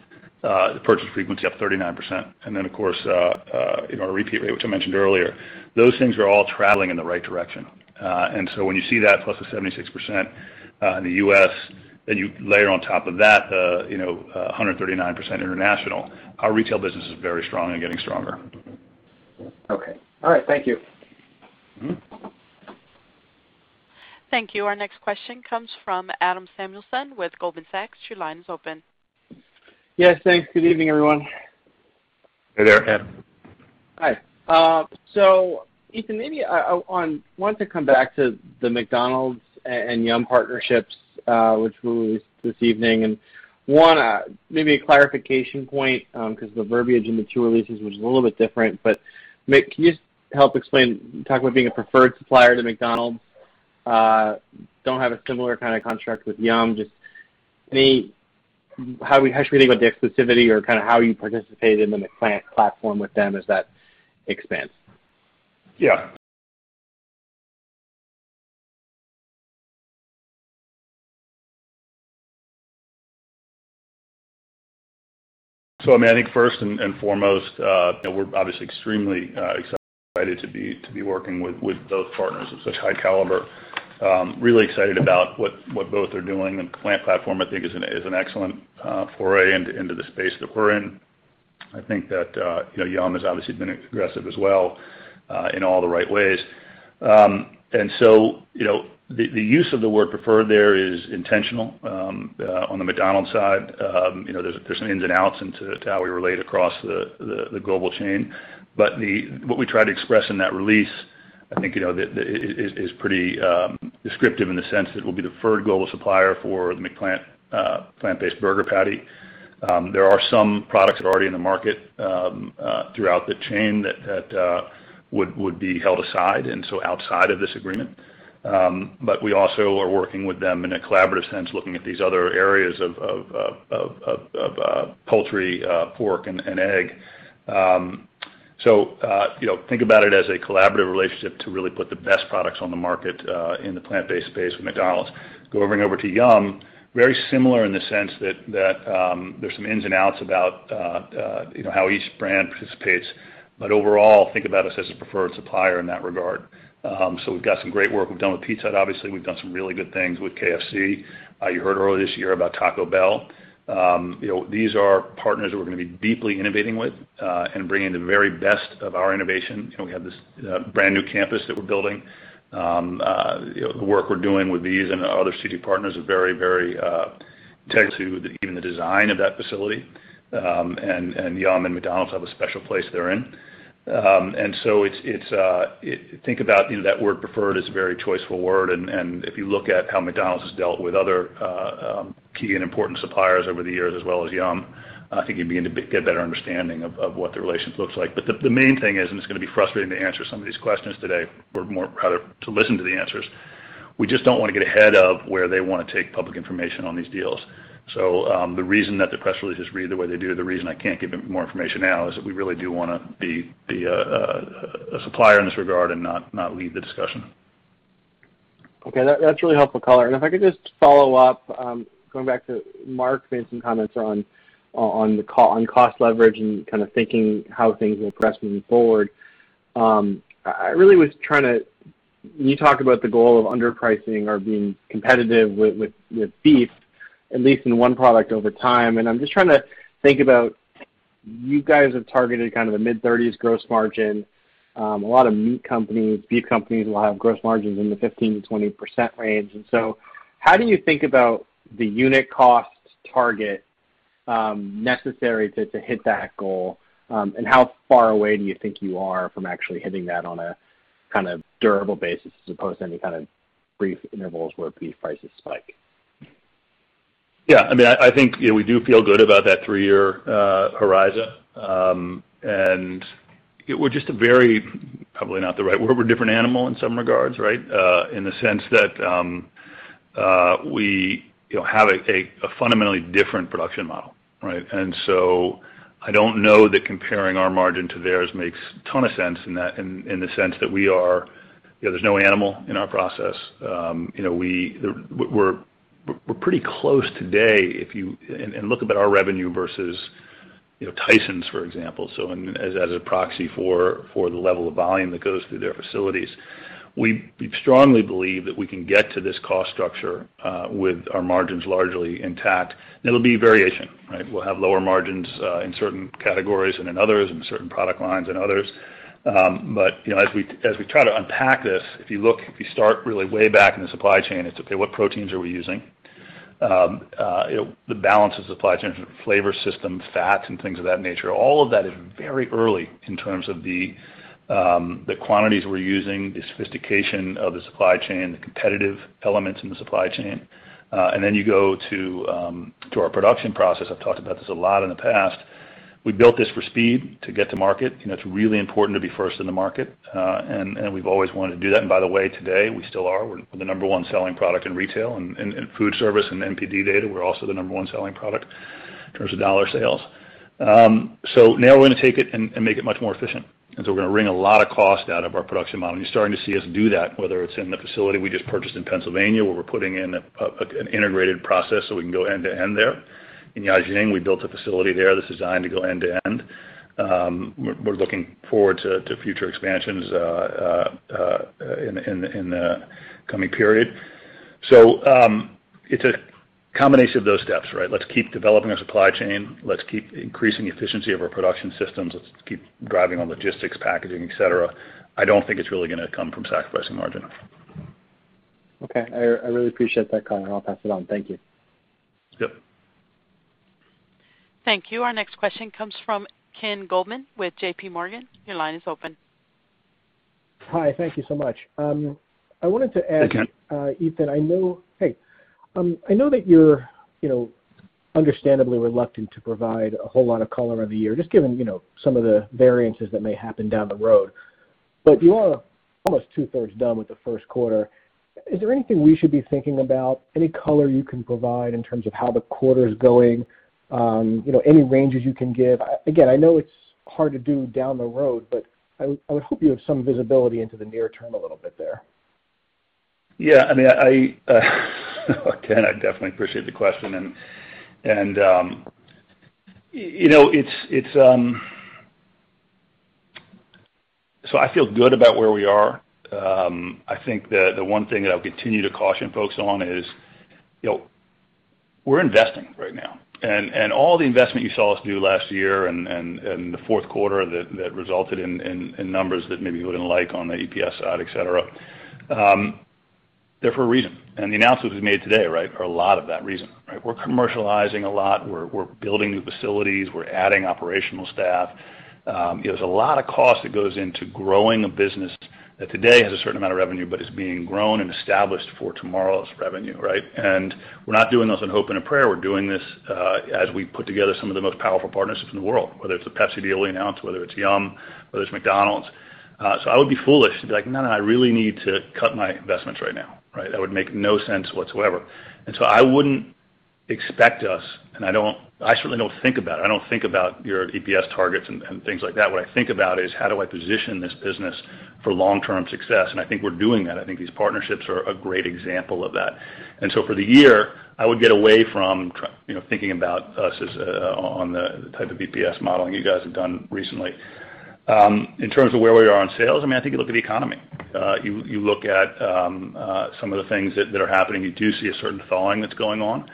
The purchase frequency up 39%. Of course, our repeat rate, which I mentioned earlier. Those things are all traveling in the right direction. When you see that plus the 76% in the U.S., then you layer on top of that the 139% international, our retail business is very strong and getting stronger. Okay. All right. Thank you. Thank you. Our next question comes from Adam Samuelson with Goldman Sachs. Your line is open. Yes, thanks. Good evening, everyone. Hey there, Adam. Hi, Ethan, maybe I want to come back to the McDonald's and Yum! partnerships, which were released this evening. One, maybe a clarification point, because the verbiage in the two releases was a little bit different. Can you just help explain, talk about being a preferred supplier to McDonald's? Don't have a similar kind of contract with Yum!, just how should we think about the exclusivity or kind of how you participate in the plant platform with them as that expands? Yeah. I think first and foremost, we're obviously extremely excited to be working with both partners of such high caliber. Really excited about what both are doing, the plant platform I think is an excellent foray into the space that we're in. I think that Yum! has obviously been aggressive as well in all the right ways. The use of the word preferred there is intentional on the McDonald's side. There's some ins and outs into how we relate across the global chain. What we try to express in that release, I think, is pretty descriptive in the sense that we'll be the preferred global supplier for the McPlant plant-based burger patty. There are some products that are already in the market throughout the chain that would be held aside, and so outside of this agreement. We also are working with them in a collaborative sense, looking at these other areas of poultry, pork, and egg. Think about it as a collaborative relationship to really put the best products on the market in the plant-based space with McDonald's. Going over to Yum!, very similar in the sense that there's some ins and outs about how each brand participates. Overall, think about us as a preferred supplier in that regard. We've got some great work we've done with Pizza Hut, obviously. We've done some really good things with KFC. You heard earlier this year about Taco Bell. These are partners that we're going to be deeply innovating with and bringing the very best of our innovation. We have this brand-new campus that we're building. The work we're doing with these and our other CD partners are very tied to even the design of that facility. Yum! and McDonald's have a special place therein. So think about that word preferred is a very choiceful word, and if you look at how McDonald's has dealt with other key and important suppliers over the years as well as Yum!, I think you'd begin to get a better understanding of what the relationship looks like. The main thing is, and it's going to be frustrating to answer some of these questions today, we're more proud to listen to the answers. We just don't want to get ahead of where they want to take public information on these deals. The reason that the press releases read the way they do, the reason I can't give more information now is that we really do want to be a supplier in this regard and not lead the discussion. Okay. That's really helpful color. If I could just follow up, going back to Mark made some comments on cost leverage and kind of thinking how things will progress moving forward. You talked about the goal of underpricing or being competitive with beef, at least in one product over time, I'm just trying to think about, you guys have targeted kind of the mid-30s gross margin. A lot of meat companies, beef companies will have gross margins in the 15%-20% range. How do you think about the unit cost target necessary to hit that goal? How far away do you think you are from actually hitting that on a kind of durable basis as opposed to any kind of brief intervals where beef prices spike? Yeah, I think we do feel good about that three-year horizon. We're a different animal in some regards, right? In the sense that we have a fundamentally different production model, right? I don't know that comparing our margin to theirs makes a ton of sense in the sense that there's no animal in our process. We're pretty close today, and look about our revenue versus Tyson, for example, so as a proxy for the level of volume that goes through their facilities. We strongly believe that we can get to this cost structure with our margins largely intact. It'll be variation, right? We'll have lower margins in certain categories than in others, and certain product lines than others. As we try to unpack this, if you start really way back in the supply chain, it's okay, what proteins are we using? The balance of supply chains, flavor systems, fats, and things of that nature. All of that is very early in terms of the quantities we're using, the sophistication of the supply chain, the competitive elements in the supply chain. Then you go to our production process. I've talked about this a lot in the past. We built this for speed to get to market. It's really important to be first in the market, and we've always wanted to do that. By the way, today, we still are. We're the number one selling product in retail and foodservice and NPD data. We're also the number one selling product in terms of dollar sales. Now we're going to take it and make it much more efficient. We're going to wring a lot of cost out of our production model. You're starting to see us do that, whether it's in the facility we just purchased in Pennsylvania, where we're putting in an integrated process so we can go end to end there. In Jiaxing, we built a facility there that's designed to go end to end. We're looking forward to future expansions in the coming period. It's a combination of those steps, right? Let's keep developing our supply chain. Let's keep increasing the efficiency of our production systems. Let's keep driving on logistics, packaging, et cetera. I don't think it's really going to come from sacrificing margin. Okay. I really appreciate that color. I'll pass it on. Thank you. Yep. Thank you. Our next question comes from Ken Goldman with JPMorgan. Your line is open. Hi. Thank you so much. Hey, Ken. Ethan, I know that you're understandably reluctant to provide a whole lot of color of the year, just given some of the variances that may happen down the road. You are almost two-thirds done with the first quarter. Is there anything we should be thinking about? Any color you can provide in terms of how the quarter's going? Any ranges you can give? Again, I know it's hard to do down the road, but I would hope you have some visibility into the near term a little bit there. Yeah. Ken, I definitely appreciate the question. I feel good about where we are. I think that the one thing that I'll continue to caution folks on is we're investing right now. All the investment you saw us do last year and the fourth quarter that resulted in numbers that maybe you wouldn't like on the EPS side, et cetera, they're for a reason. The announcements we made today, right, are a lot of that reason, right? We're commercializing a lot. We're building new facilities. We're adding operational staff. There's a lot of cost that goes into growing a business that today has a certain amount of revenue, but is being grown and established for tomorrow's revenue, right? We're not doing those in hope and a prayer. We're doing this as we put together some of the most powerful partnerships in the world, whether it's the Pepsi deal we announced, whether it's Yum!, whether it's McDonald's. I would be foolish to be like, "No, I really need to cut my investments right now." Right? That would make no sense whatsoever. I wouldn't expect us, and I certainly don't think about it. I don't think about your EPS targets and things like that. What I think about is how do I position this business for long-term success? I think we're doing that. I think these partnerships are a great example of that. For the year, I would get away from thinking about us on the type of EPS modeling you guys have done recently. In terms of where we are on sales, I think you look at the economy. You look at some of the things that are happening. You do see a certain thawing that's going on.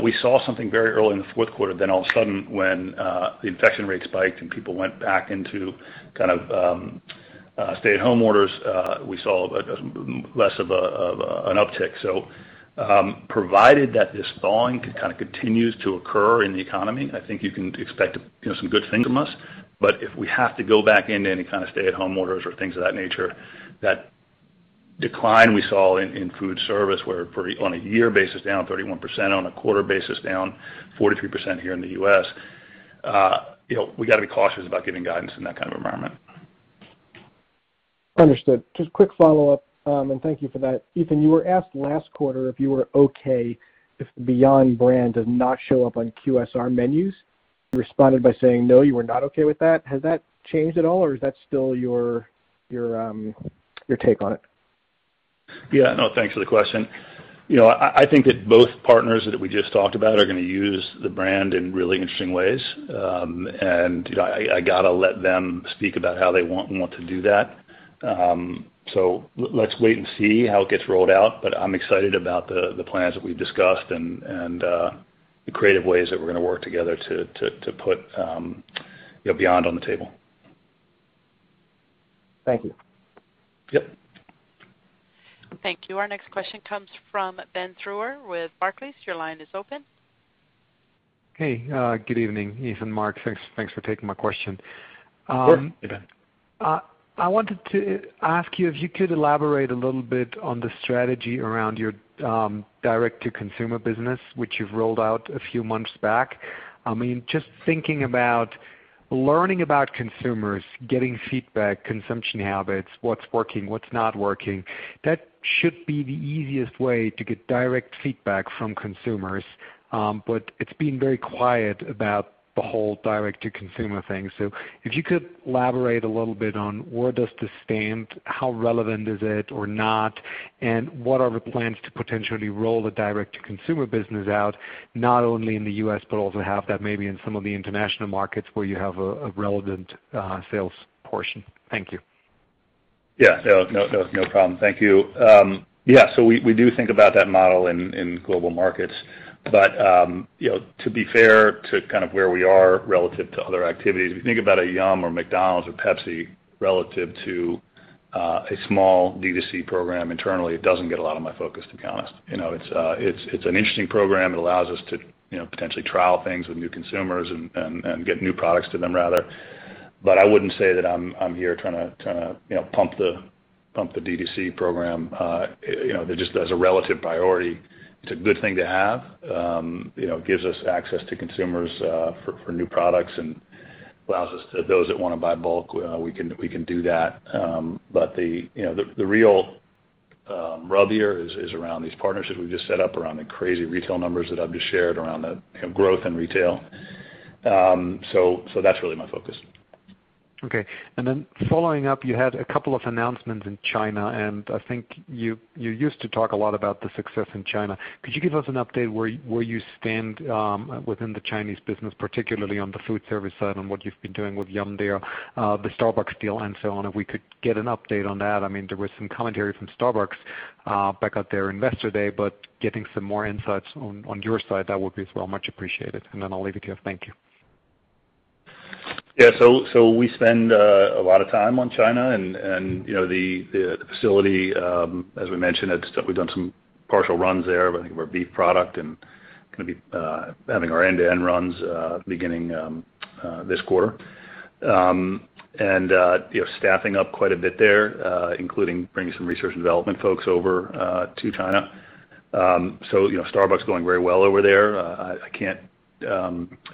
We saw something very early in the fourth quarter. All of a sudden, when the infection rates spiked and people went back into stay-at-home orders, we saw less of an uptick. Provided that this thawing continues to occur in the economy, I think you can expect some good things from us. If we have to go back into any kind of stay-at-home orders or things of that nature, that decline we saw in foodservice, where on a year basis, down 31%, on a quarter basis, down 43% here in the U.S., we got to be cautious about giving guidance in that kind of environment. Understood. Just quick follow-up, and thank you for that. Ethan, you were asked last quarter if you were okay if the Beyond brand does not show up on QSR menus. You responded by saying no, you were not okay with that. Has that changed at all, or is that still your take on it? Yeah. No, thanks for the question. I think that both partners that we just talked about are going to use the brand in really interesting ways. I got to let them speak about how they want to do that. Let's wait and see how it gets rolled out, but I'm excited about the plans that we've discussed and the creative ways that we're going to work together to put Beyond on the table. Thank you. Yep. Thank you. Our next question comes from Ben Theurer with Barclays. Your line is open. Hey, good evening, Ethan, Mark. Thanks for taking my question. Of course. Hey, Ben. I wanted to ask you if you could elaborate a little bit on the strategy around your direct-to-consumer business, which you've rolled out a few months back, just thinking about learning about consumers, getting feedback, consumption habits, what's working, what's not working. That should be the easiest way to get direct feedback from consumers, but it's been very quiet about the whole direct-to-consumer thing. If you could elaborate a little bit on where does this stand, how relevant is it or not, and what are the plans to potentially roll the direct-to-consumer business out not only in the U.S., but also have that maybe in some of the international markets where you have a relevant sales portion. Thank you. Yeah. No problem. Thank you. We do think about that model in global markets. To be fair to where we are relative to other activities, if you think about a Yum! or McDonald's or Pepsi relative to a small D2C program internally, it doesn't get a lot of my focus, to be honest. It's an interesting program. It allows us to potentially trial things with new consumers and get new products to them, rather. I wouldn't say that I'm here trying to pump the D2C program. Just as a relative priority, it's a good thing to have. It gives us access to consumers for new products and allows those that want to buy bulk, we can do that. The real rub here is around these partnerships we've just set up around the crazy retail numbers that I've just shared around the growth in retail. That's really my focus. Okay. Following up, you had a couple of announcements in China, and I think you used to talk a lot about the success in China. Could you give us an update where you stand within the Chinese business, particularly on the foodservice side and what you've been doing with Yum! there, the Starbucks deal, and so on? If we could get an update on that. There was some commentary from Starbucks back at their Investor Day, but getting some more insights on your side, that would be much appreciated. I'll leave it here. Thank you. Yeah. We spend a lot of time on China and the facility, as we mentioned, we've done some partial runs there of I think of our beef product and going to be having our end-to-end runs beginning this quarter. Staffing up quite a bit there, including bringing some research and development folks over to China. Starbucks is going very well over there. I can't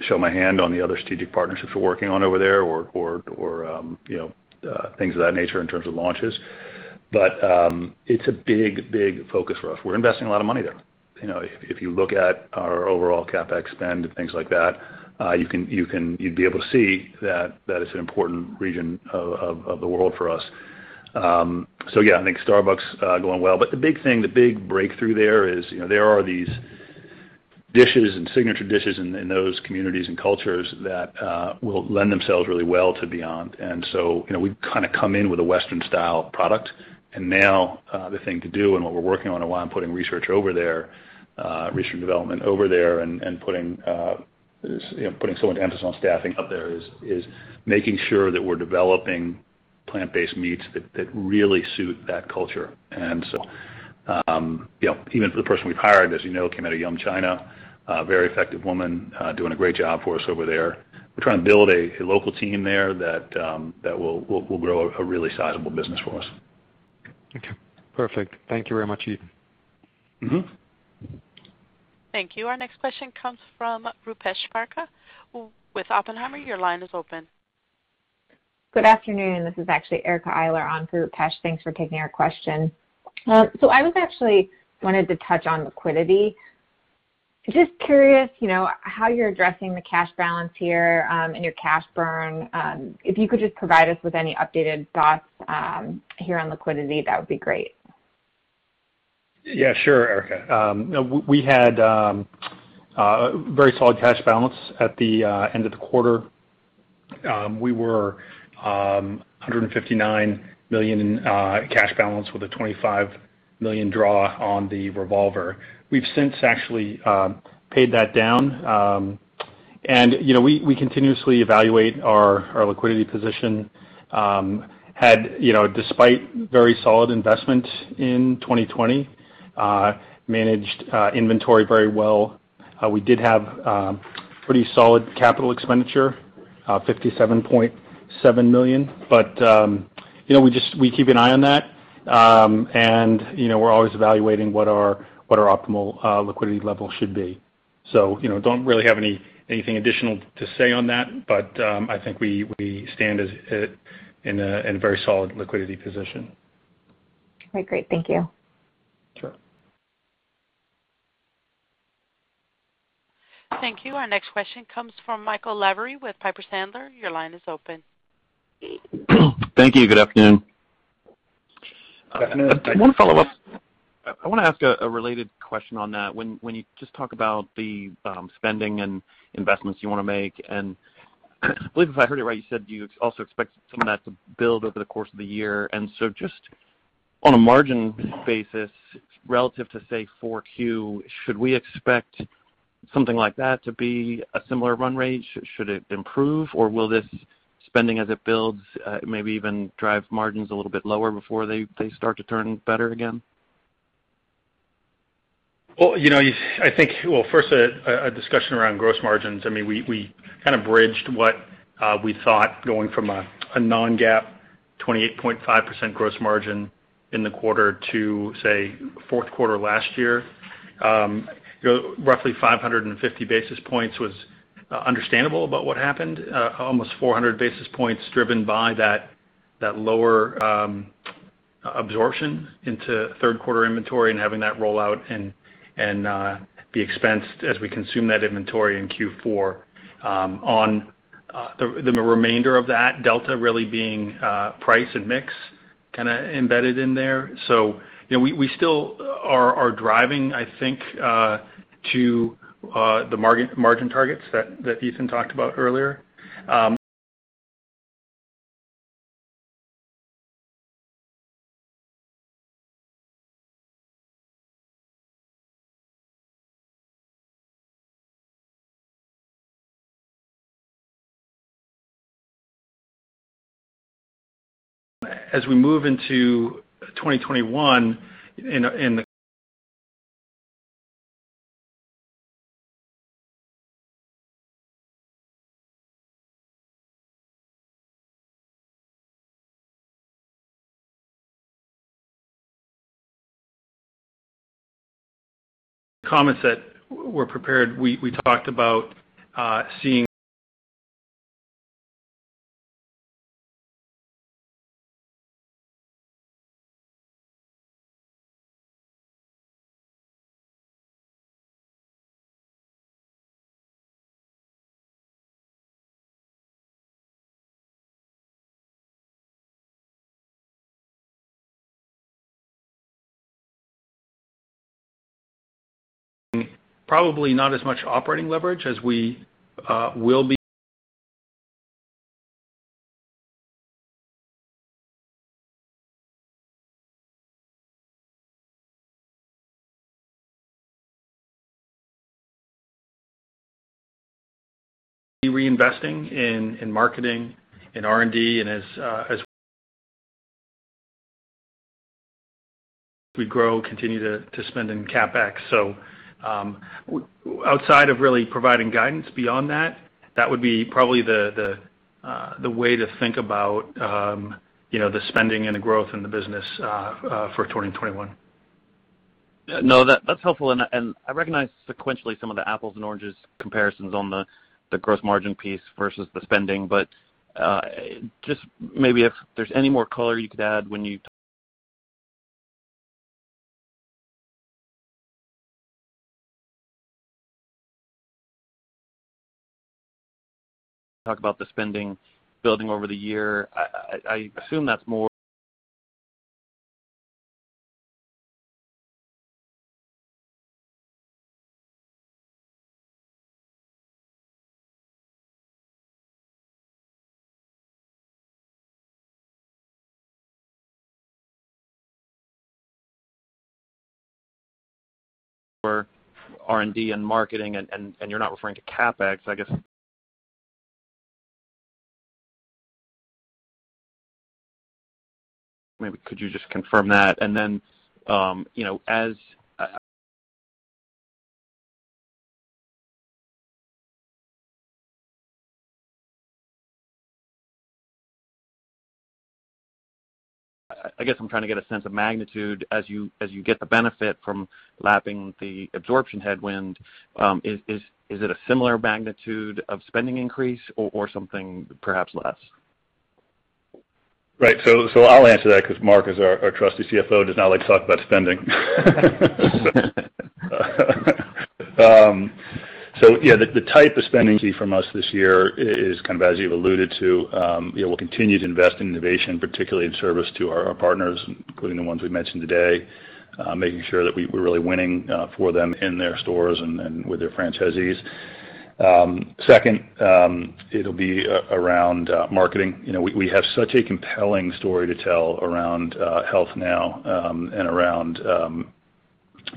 show my hand on the other strategic partnerships we're working on over there or things of that nature in terms of launches. It's a big focus for us. We're investing a lot of money there. If you look at our overall CapEx spend and things like that, you'd be able to see that it's an important region of the world for us. Yeah, I think Starbucks is going well. The big thing, the big breakthrough there is there are these dishes and signature dishes in those communities and cultures that will lend themselves really well to Beyond. We've come in with a Western-style product. Now the thing to do and what we're working on and why I'm putting research and development over there and putting so much emphasis on staffing up there is making sure that we're developing plant-based meats that really suit that culture. Even for the person we've hired, as you know, came out of Yum China, a very effective woman doing a great job for us over there. We're trying to build a local team there that will grow a really sizable business for us. Okay, perfect. Thank you very much, Ethan. Thank you. Our next question comes from Rupesh Parikh with Oppenheimer. Your line is open. Good afternoon. This is actually Erica Eiler on for Rupesh. Thanks for taking our question. I actually wanted to touch on liquidity. Just curious, how you're addressing the cash balance here and your cash burn? If you could just provide us with any updated thoughts here on liquidity, that would be great. Yeah, sure, Erica. We had a very solid cash balance at the end of the quarter. We were $159 million in cash balance with a $25 million draw on the revolver. We've since actually paid that down. We continuously evaluate our liquidity position, had despite very solid investment in 2020, managed inventory very well. We did have pretty solid capital expenditure, $57.7 million. We keep an eye on that, and we're always evaluating what our optimal liquidity level should be. Don't really have anything additional to say on that, but I think we stand in a very solid liquidity position. Okay, great. Thank you. Sure. Thank you. Our next question comes from Michael Lavery with Piper Sandler. Thank you. Good afternoon. Afternoon. I want to follow up. I want to ask a related question on that. When you just talk about the spending and investments you want to make, and I believe if I heard it right, you said you also expect some of that to build over the course of the year. Just on a margin basis, relative to, say, 4Q, should we expect something like that to be a similar run rate? Should it improve, or will this spending as it builds maybe even drive margins a little bit lower before they start to turn better again? Well, first, a discussion around gross margins. We kind of bridged what we thought going from a non-GAAP 28.5% gross margin in the quarter to, say, fourth quarter last year. Roughly 550 basis points was understandable about what happened. Almost 400 basis points driven by that lower absorption into third quarter inventory and having that roll out and be expensed as we consume that inventory in Q4. On the remainder of that delta really being price and mix kind of embedded in there. We still are driving, I think, to the margin targets that Ethan talked about earlier. As we move into 2021 in the comments that were prepared, we talked about seeing probably not as much operating leverage as we will be reinvesting in marketing, in R&D, and as we grow, continue to spend in CapEx. Outside of really providing guidance beyond that would be probably the way to think about the spending and the growth in the business for 2021. No, that's helpful. I recognize sequentially some of the apples and oranges comparisons on the gross margin piece versus the spending, but just maybe if there's any more color you could add when you talk about the spending building over the year, I assume that's more for R&D and marketing, and you're not referring to CapEx. I guess maybe could you just confirm that? Then, as I guess I'm trying to get a sense of magnitude as you get the benefit from lapping the absorption headwind. Is it a similar magnitude of spending increase or something perhaps less? Right. I'll answer that because Mark, as our trusty CFO, does not like to talk about spending. Yeah, the type of spending from us this year is kind of as you've alluded to. We'll continue to invest in innovation, particularly in service to our partners, including the ones we've mentioned today, making sure that we're really winning for them in their stores and with their franchisees. Second, it'll be around marketing. We have such a compelling story to tell around health now, and around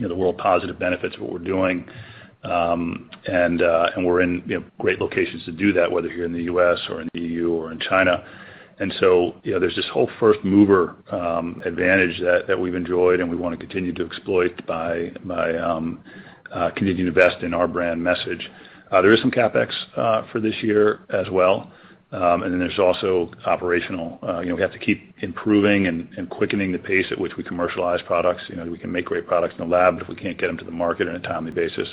the world positive benefits of what we're doing. We're in great locations to do that, whether here in the U.S. or in EU or in China. There's this whole first-mover advantage that we've enjoyed and we want to continue to exploit by continuing to invest in our brand message. There is some CapEx for this year as well. There's also operational. We have to keep improving and quickening the pace at which we commercialize products. We can make great products in the lab, but if we can't get them to the market on a timely basis,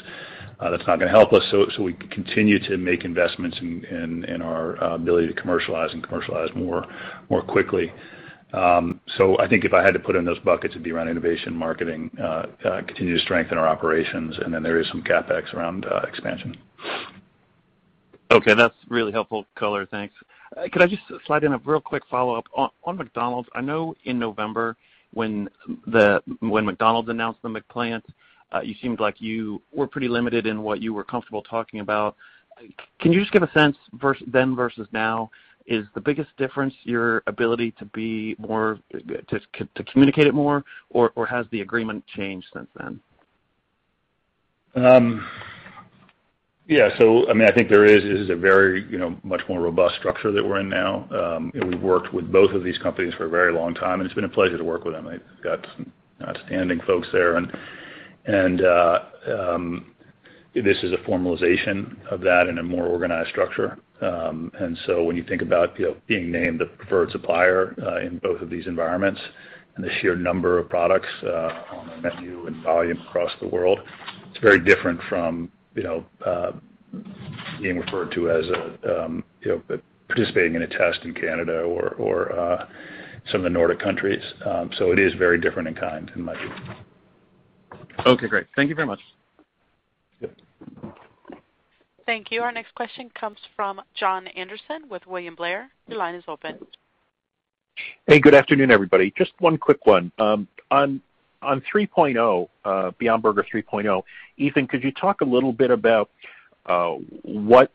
that's not going to help us. We continue to make investments in our ability to commercialize and commercialize more quickly. I think if I had to put it in those buckets, it'd be around innovation, marketing, continue to strengthen our operations, and then there is some CapEx around expansion. Okay. That's really helpful color, thanks. Could I just slide in a real quick follow-up? On McDonald's, I know in November when McDonald's announced the McPlant, you seemed like you were pretty limited in what you were comfortable talking about. Can you just give a sense then versus now? Is the biggest difference your ability to communicate it more, or has the agreement changed since then? Yeah. I think there is a very much more robust structure that we're in now. We've worked with both of these companies for a very long time, and it's been a pleasure to work with them. They've got some outstanding folks there. This is a formalization of that in a more organized structure. When you think about being named the preferred supplier, in both of these environments and the sheer number of products on the menu and volume across the world, it's very different from being referred to as participating in a test in Canada or some of the Nordic countries. It is very different in kind, in my view. Okay, great. Thank you very much. Thank you. Our next question comes from Jon Andersen with William Blair. Your line is open. Hey, good afternoon, everybody. Just one quick one. On Beyond Burger 3.0, Ethan, could you talk a little bit about what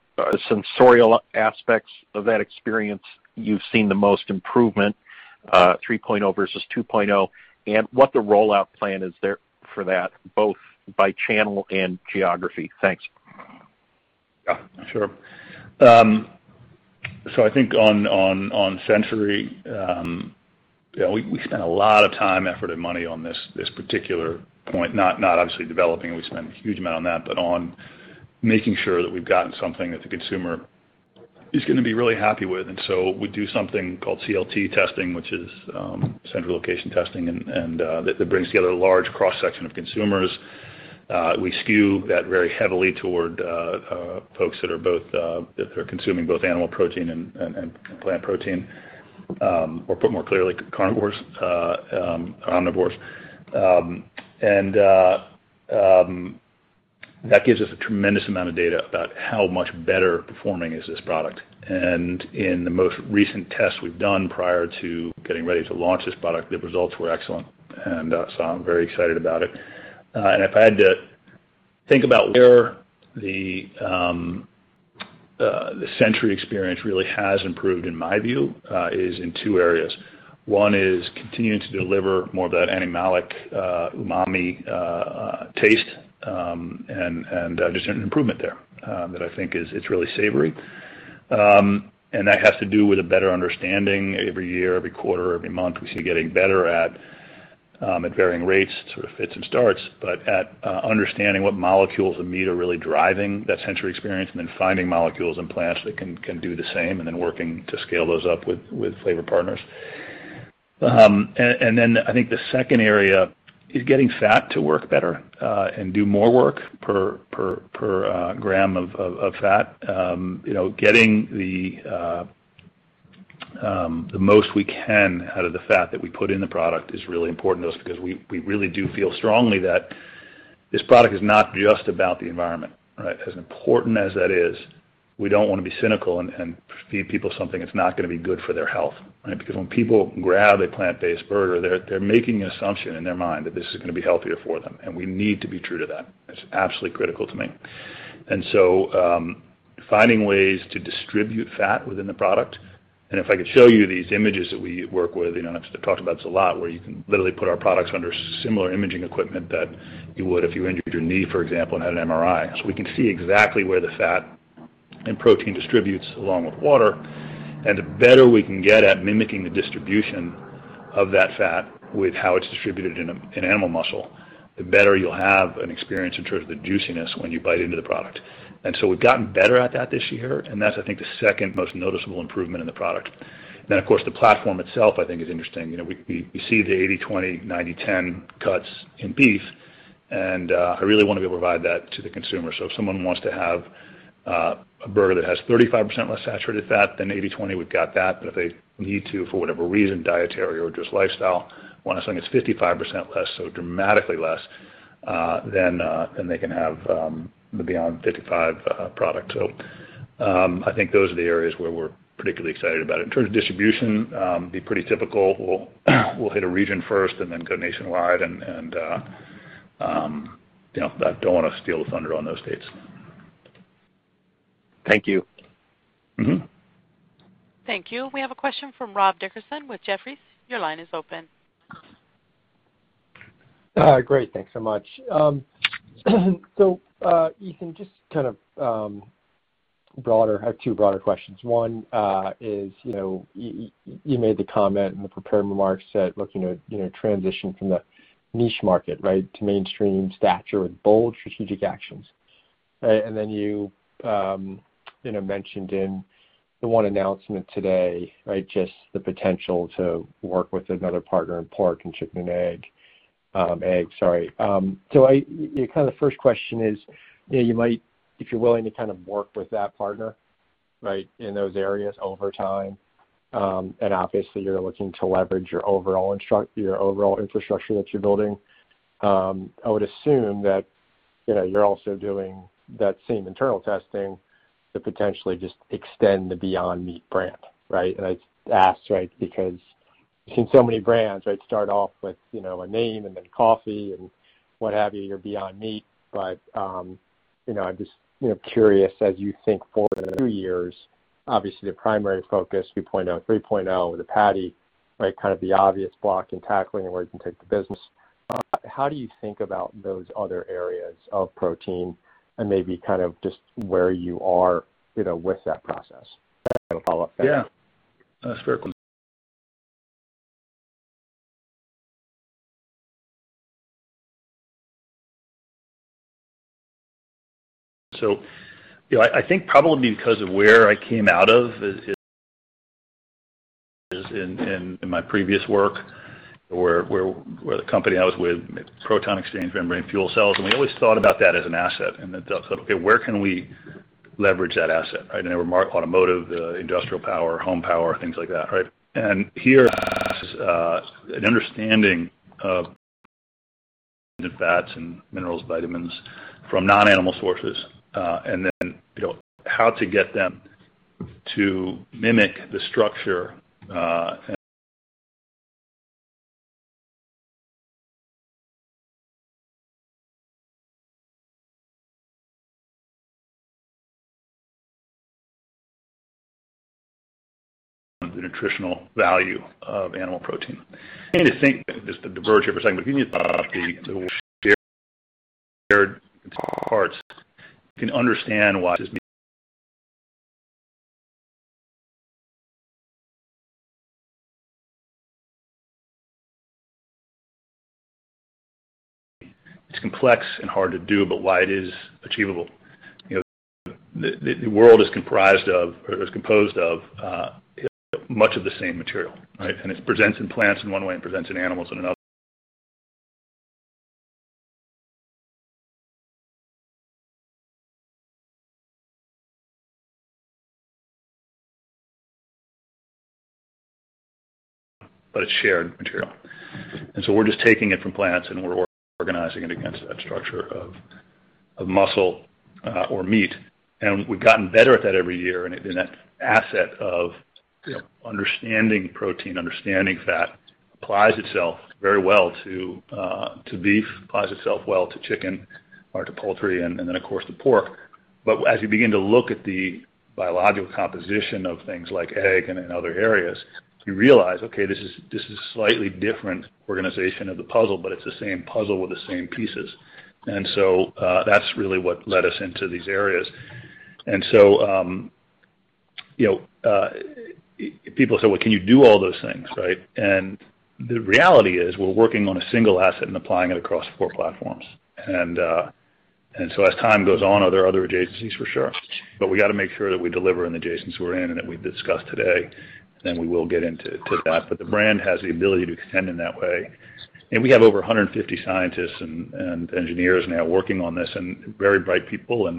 sensorial aspects of that experience you've seen the most improvement, 3.0 versus 2.0, and what the rollout plan is there for that, both by channel and geography? Thanks. Yeah, sure. I think on sensory, we spent a lot of time, effort, and money on this particular point, not obviously developing. We spent a huge amount on that, but on making sure that we've gotten something that the consumer is going to be really happy with. We do something called CLT testing, which is central location testing, and that brings together a large cross-section of consumers. We skew that very heavily toward folks that are consuming both animal protein and plant protein, or put more clearly, carnivores, omnivores. That gives us a tremendous amount of data about how much better performing is this product. In the most recent tests we've done prior to getting ready to launch this product, the results were excellent. I'm very excited about it. If I had to think about where the sensory experience really has improved in my view, is in two areas. One is continuing to deliver more of that animalic umami taste, and just an improvement there, that I think is it's really savory. That has to do with a better understanding every year, every quarter, every month, we see it getting better at varying rates, sort of fits and starts. But at understanding what molecules of meat are really driving that sensory experience, and then finding molecules in plants that can do the same, and then working to scale those up with flavor partners. Then I think the second area is getting fat to work better, and do more work per gram of fat. Getting the most we can out of the fat that we put in the product is really important to us because we really do feel strongly that this product is not just about the environment, right? As important as that is, we don't want to be cynical and feed people something that's not going to be good for their health, right? Because when people grab a plant-based burger, they're making an assumption in their mind that this is going to be healthier for them, and we need to be true to that. It's absolutely critical to me. Finding ways to distribute fat within the product, and if I could show you these images that we work with, I've talked about this a lot, where you can literally put our products under similar imaging equipment that you would if you injured your knee, for example, and had an MRI. We can see exactly where the fat and protein distributes, along with water. The better we can get at mimicking the distribution of that fat with how it's distributed in animal muscle, the better you'll have an experience in terms of the juiciness when you bite into the product. We've gotten better at that this year, and that's, I think, the second most noticeable improvement in the product. Of course, the platform itself, I think, is interesting. We see the 80/20, 90/10 cuts in beef, and I really want to be able to provide that to the consumer. If someone wants to have a burger that has 35% less saturated fat than 80/20, we've got that. If they need to, for whatever reason, dietary or just lifestyle, want something that's 55% less, so dramatically less. They can have the Beyond 55 product. I think those are the areas where we're particularly excited about it. In terms of distribution, it'll be pretty typical. We'll hit a region first and then go nationwide. I don't want to steal the thunder on those dates. Thank you. Thank you. We have a question from Rob Dickerson with Jefferies. Your line is open. Great. Thanks so much. Ethan, I have two broader questions. One is, you made the comment in the prepared remarks that looking at transition from the niche market to mainstream stature with bold strategic actions. You mentioned in the one announcement today, just the potential to work with another partner in pork and chicken and egg. The first question is if you're willing to work with that partner in those areas over time, and obviously you're looking to leverage your overall infrastructure that you're building. I would assume that you're also doing that same internal testing to potentially just extend the Beyond Meat brand. I ask because I've seen so many brands start off with a name and then coffee and what have you, your Beyond Meat. I'm just curious as you think forward a few years, obviously the primary focus, you point out 3.0 with the patty, kind of the obvious block and tackling and where you can take the business. How do you think about those other areas of protein and maybe just where you are with that process? I have a follow-up after. Yeah. That's a fair question. I think probably because of where I came out of in my previous work, where the company I was with, proton exchange membrane fuel cells, and we always thought about that as an asset and then said, "Okay, where can we leverage that asset?" They were automotive, industrial power, home power, things like that. Here is an understanding of fats and minerals, vitamins from non-animal sources. Then how to get them to mimic the structure and the nutritional value of animal protein. I need to diverge here for a second, but if you think about the shared parts, you can understand why this meat is complex and hard to do, but why it is achievable. The world is composed of much of the same material. It presents in plants in one way and presents in animals in another. It's shared material. We're just taking it from plants and we're organizing it against that structure of muscle or meat. We've gotten better at that every year. That asset of understanding protein, understanding fat applies itself very well to beef, applies itself well to chicken or to poultry, and then of course to pork. As you begin to look at the biological composition of things like egg and in other areas, you realize, okay, this is a slightly different organization of the puzzle, but it's the same puzzle with the same pieces. That's really what led us into these areas. People say, "Well, can you do all those things?" The reality is we're working on a single asset and applying it across four platforms. As time goes on, are there other adjacencies? For sure. We got to make sure that we deliver in the adjacencies we're in and that we've discussed today, then we will get into that. The brand has the ability to extend in that way. We have over 150 scientists and engineers now working on this, and very bright people.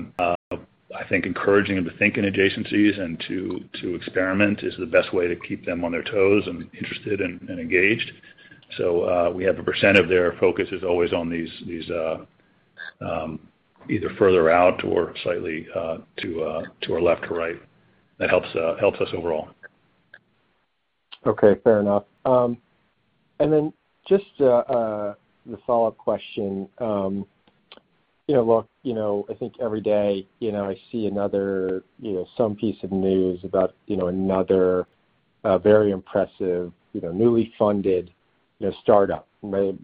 I think encouraging them to think in adjacencies and to experiment is the best way to keep them on their toes and interested and engaged. We have a percent of their focus is always on these either further out or slightly to our left or right. That helps us overall. Okay, fair enough. Then just the follow-up question. Look, I think every day I see some piece of news about another very impressive newly funded startup. Be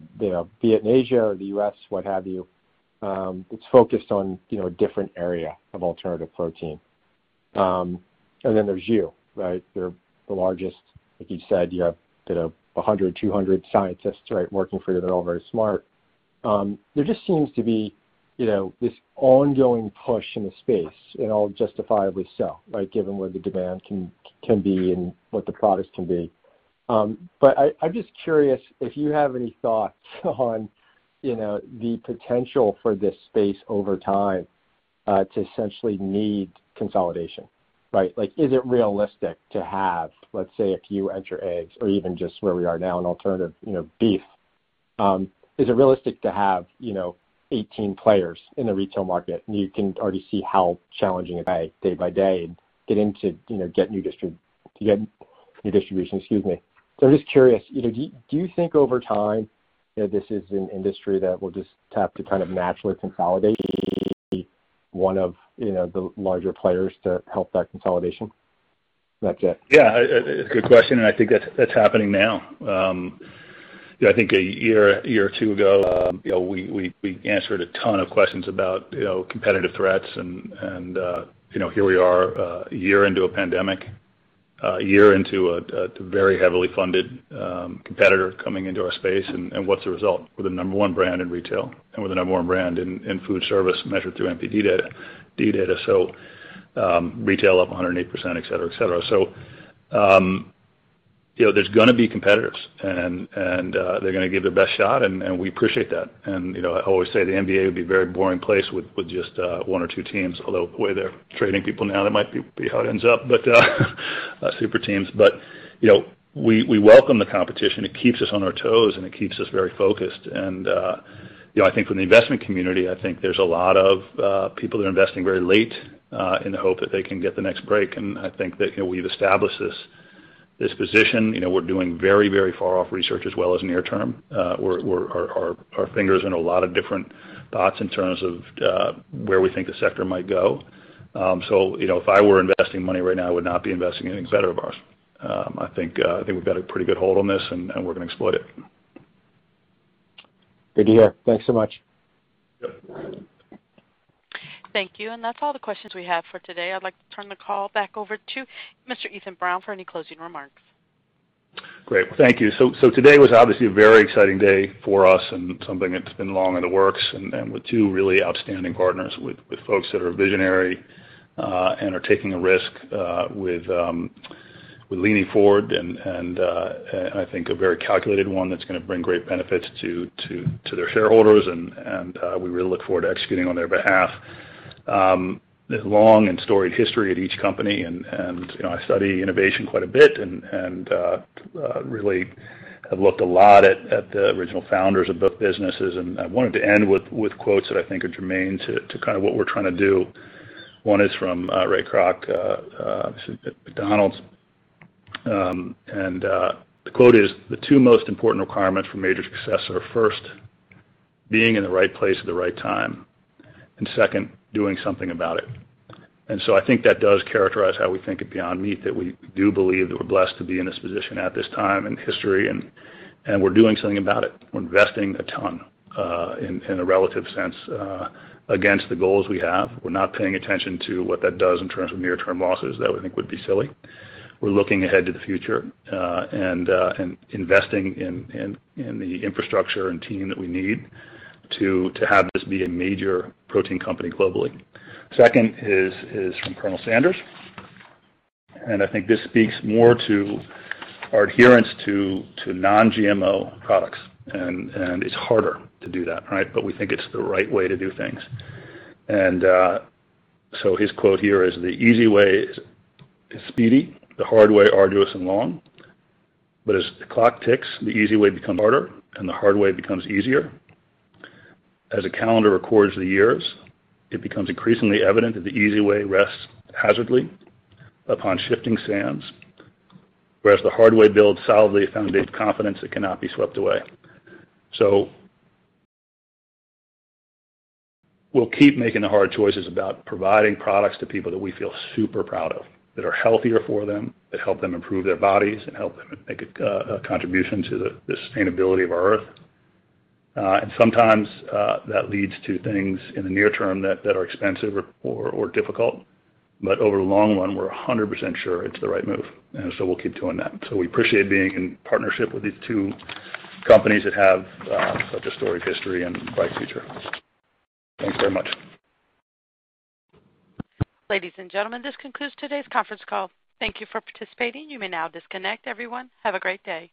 it in Asia or the U.S., what have you. It's focused on a different area of alternative protein. Then there's you. You're the largest. Like you've said, you have 100, 200 scientists working for you that are all very smart. There just seems to be this ongoing push in the space, and all justifiably so, given where the demand can be and what the products can be. I'm just curious if you have any thoughts on the potential for this space over time to essentially need consolidation, right? Is it realistic to have, let's say, if you enter eggs or even just where we are now in alternative beef, is it realistic to have 18 players in the retail market? You can already see how challenging it is day by day to get new distribution. Excuse me. I'm just curious, do you think over time, that this is an industry that will just have to naturally consolidate one of the larger players to help that consolidation? That's it. Yeah. Good question. I think that's happening now. I think a year or two ago, we answered a ton of questions about competitive threats. Here we are, a year into a pandemic, a year into a very heavily funded competitor coming into our space. What's the result? We're the number 1 brand in retail and we're the number 1 brand in foodservice measured through NPD data. Retail up 108%, et cetera. There's going to be competitors. They're going to give their best shot. We appreciate that. I always say the NBA would be a very boring place with just one or two teams, although the way they're trading people now, that might be how it ends up, super teams. We welcome the competition. It keeps us on our toes. It keeps us very focused. I think from the investment community, I think there's a lot of people that are investing very late in the hope that they can get the next break. I think that we've established this position. We're doing very far-off research as well as near-term. Our finger's in a lot of different pots in terms of where we think the sector might go. If I were investing money right now, I would not be investing in any competitor of ours. I think we've got a pretty good hold on this, and we're going to exploit it. Good to hear. Thanks so much. Yep. Thank you. That's all the questions we have for today. I'd like to turn the call back over to Mr. Ethan Brown for any closing remarks. Great. Thank you. Today was obviously a very exciting day for us and something that's been long in the works and with two really outstanding partners, with folks that are visionary and are taking a risk with leaning forward and I think a very calculated one that's going to bring great benefits to their shareholders. We really look forward to executing on their behalf. There's long and storied history at each company and I study innovation quite a bit and really have looked a lot at the original founders of both businesses, and I wanted to end with quotes that I think are germane to what we're trying to do. One is from Ray Kroc of McDonald's, and the quote is, "The two most important requirements for major success are, first, being in the right place at the right time, and second, doing something about it." I think that does characterize how we think at Beyond Meat, that we do believe that we're blessed to be in this position at this time in history, and we're doing something about it. We're investing a ton in a relative sense against the goals we have. We're not paying attention to what that does in terms of near-term losses. That we think would be silly. We're looking ahead to the future and investing in the infrastructure and team that we need to have this be a major protein company globally. Second is from Colonel Sanders, and I think this speaks more to our adherence to non-GMO products. It's harder to do that, right? We think it's the right way to do things. His quote here is, "The easy way is speedy, the hard way arduous and long. As the clock ticks, the easy way becomes harder, and the hard way becomes easier. As a calendar records the years, it becomes increasingly evident that the easy way rests hazardously upon shifting sands, whereas the hard way builds solidly a foundation of confidence that cannot be swept away." We'll keep making the hard choices about providing products to people that we feel super proud of, that are healthier for them, that help them improve their bodies and help them make a contribution to the sustainability of our Earth. Sometimes that leads to things in the near term that are expensive or difficult. Over the long run, we're 100% sure it's the right move. We'll keep doing that. We appreciate being in partnership with these two companies that have such a storied history and bright future. Thanks very much. Ladies and gentlemen, this concludes today's conference call. Thank you for participating. You may now disconnect. Everyone, have a great day.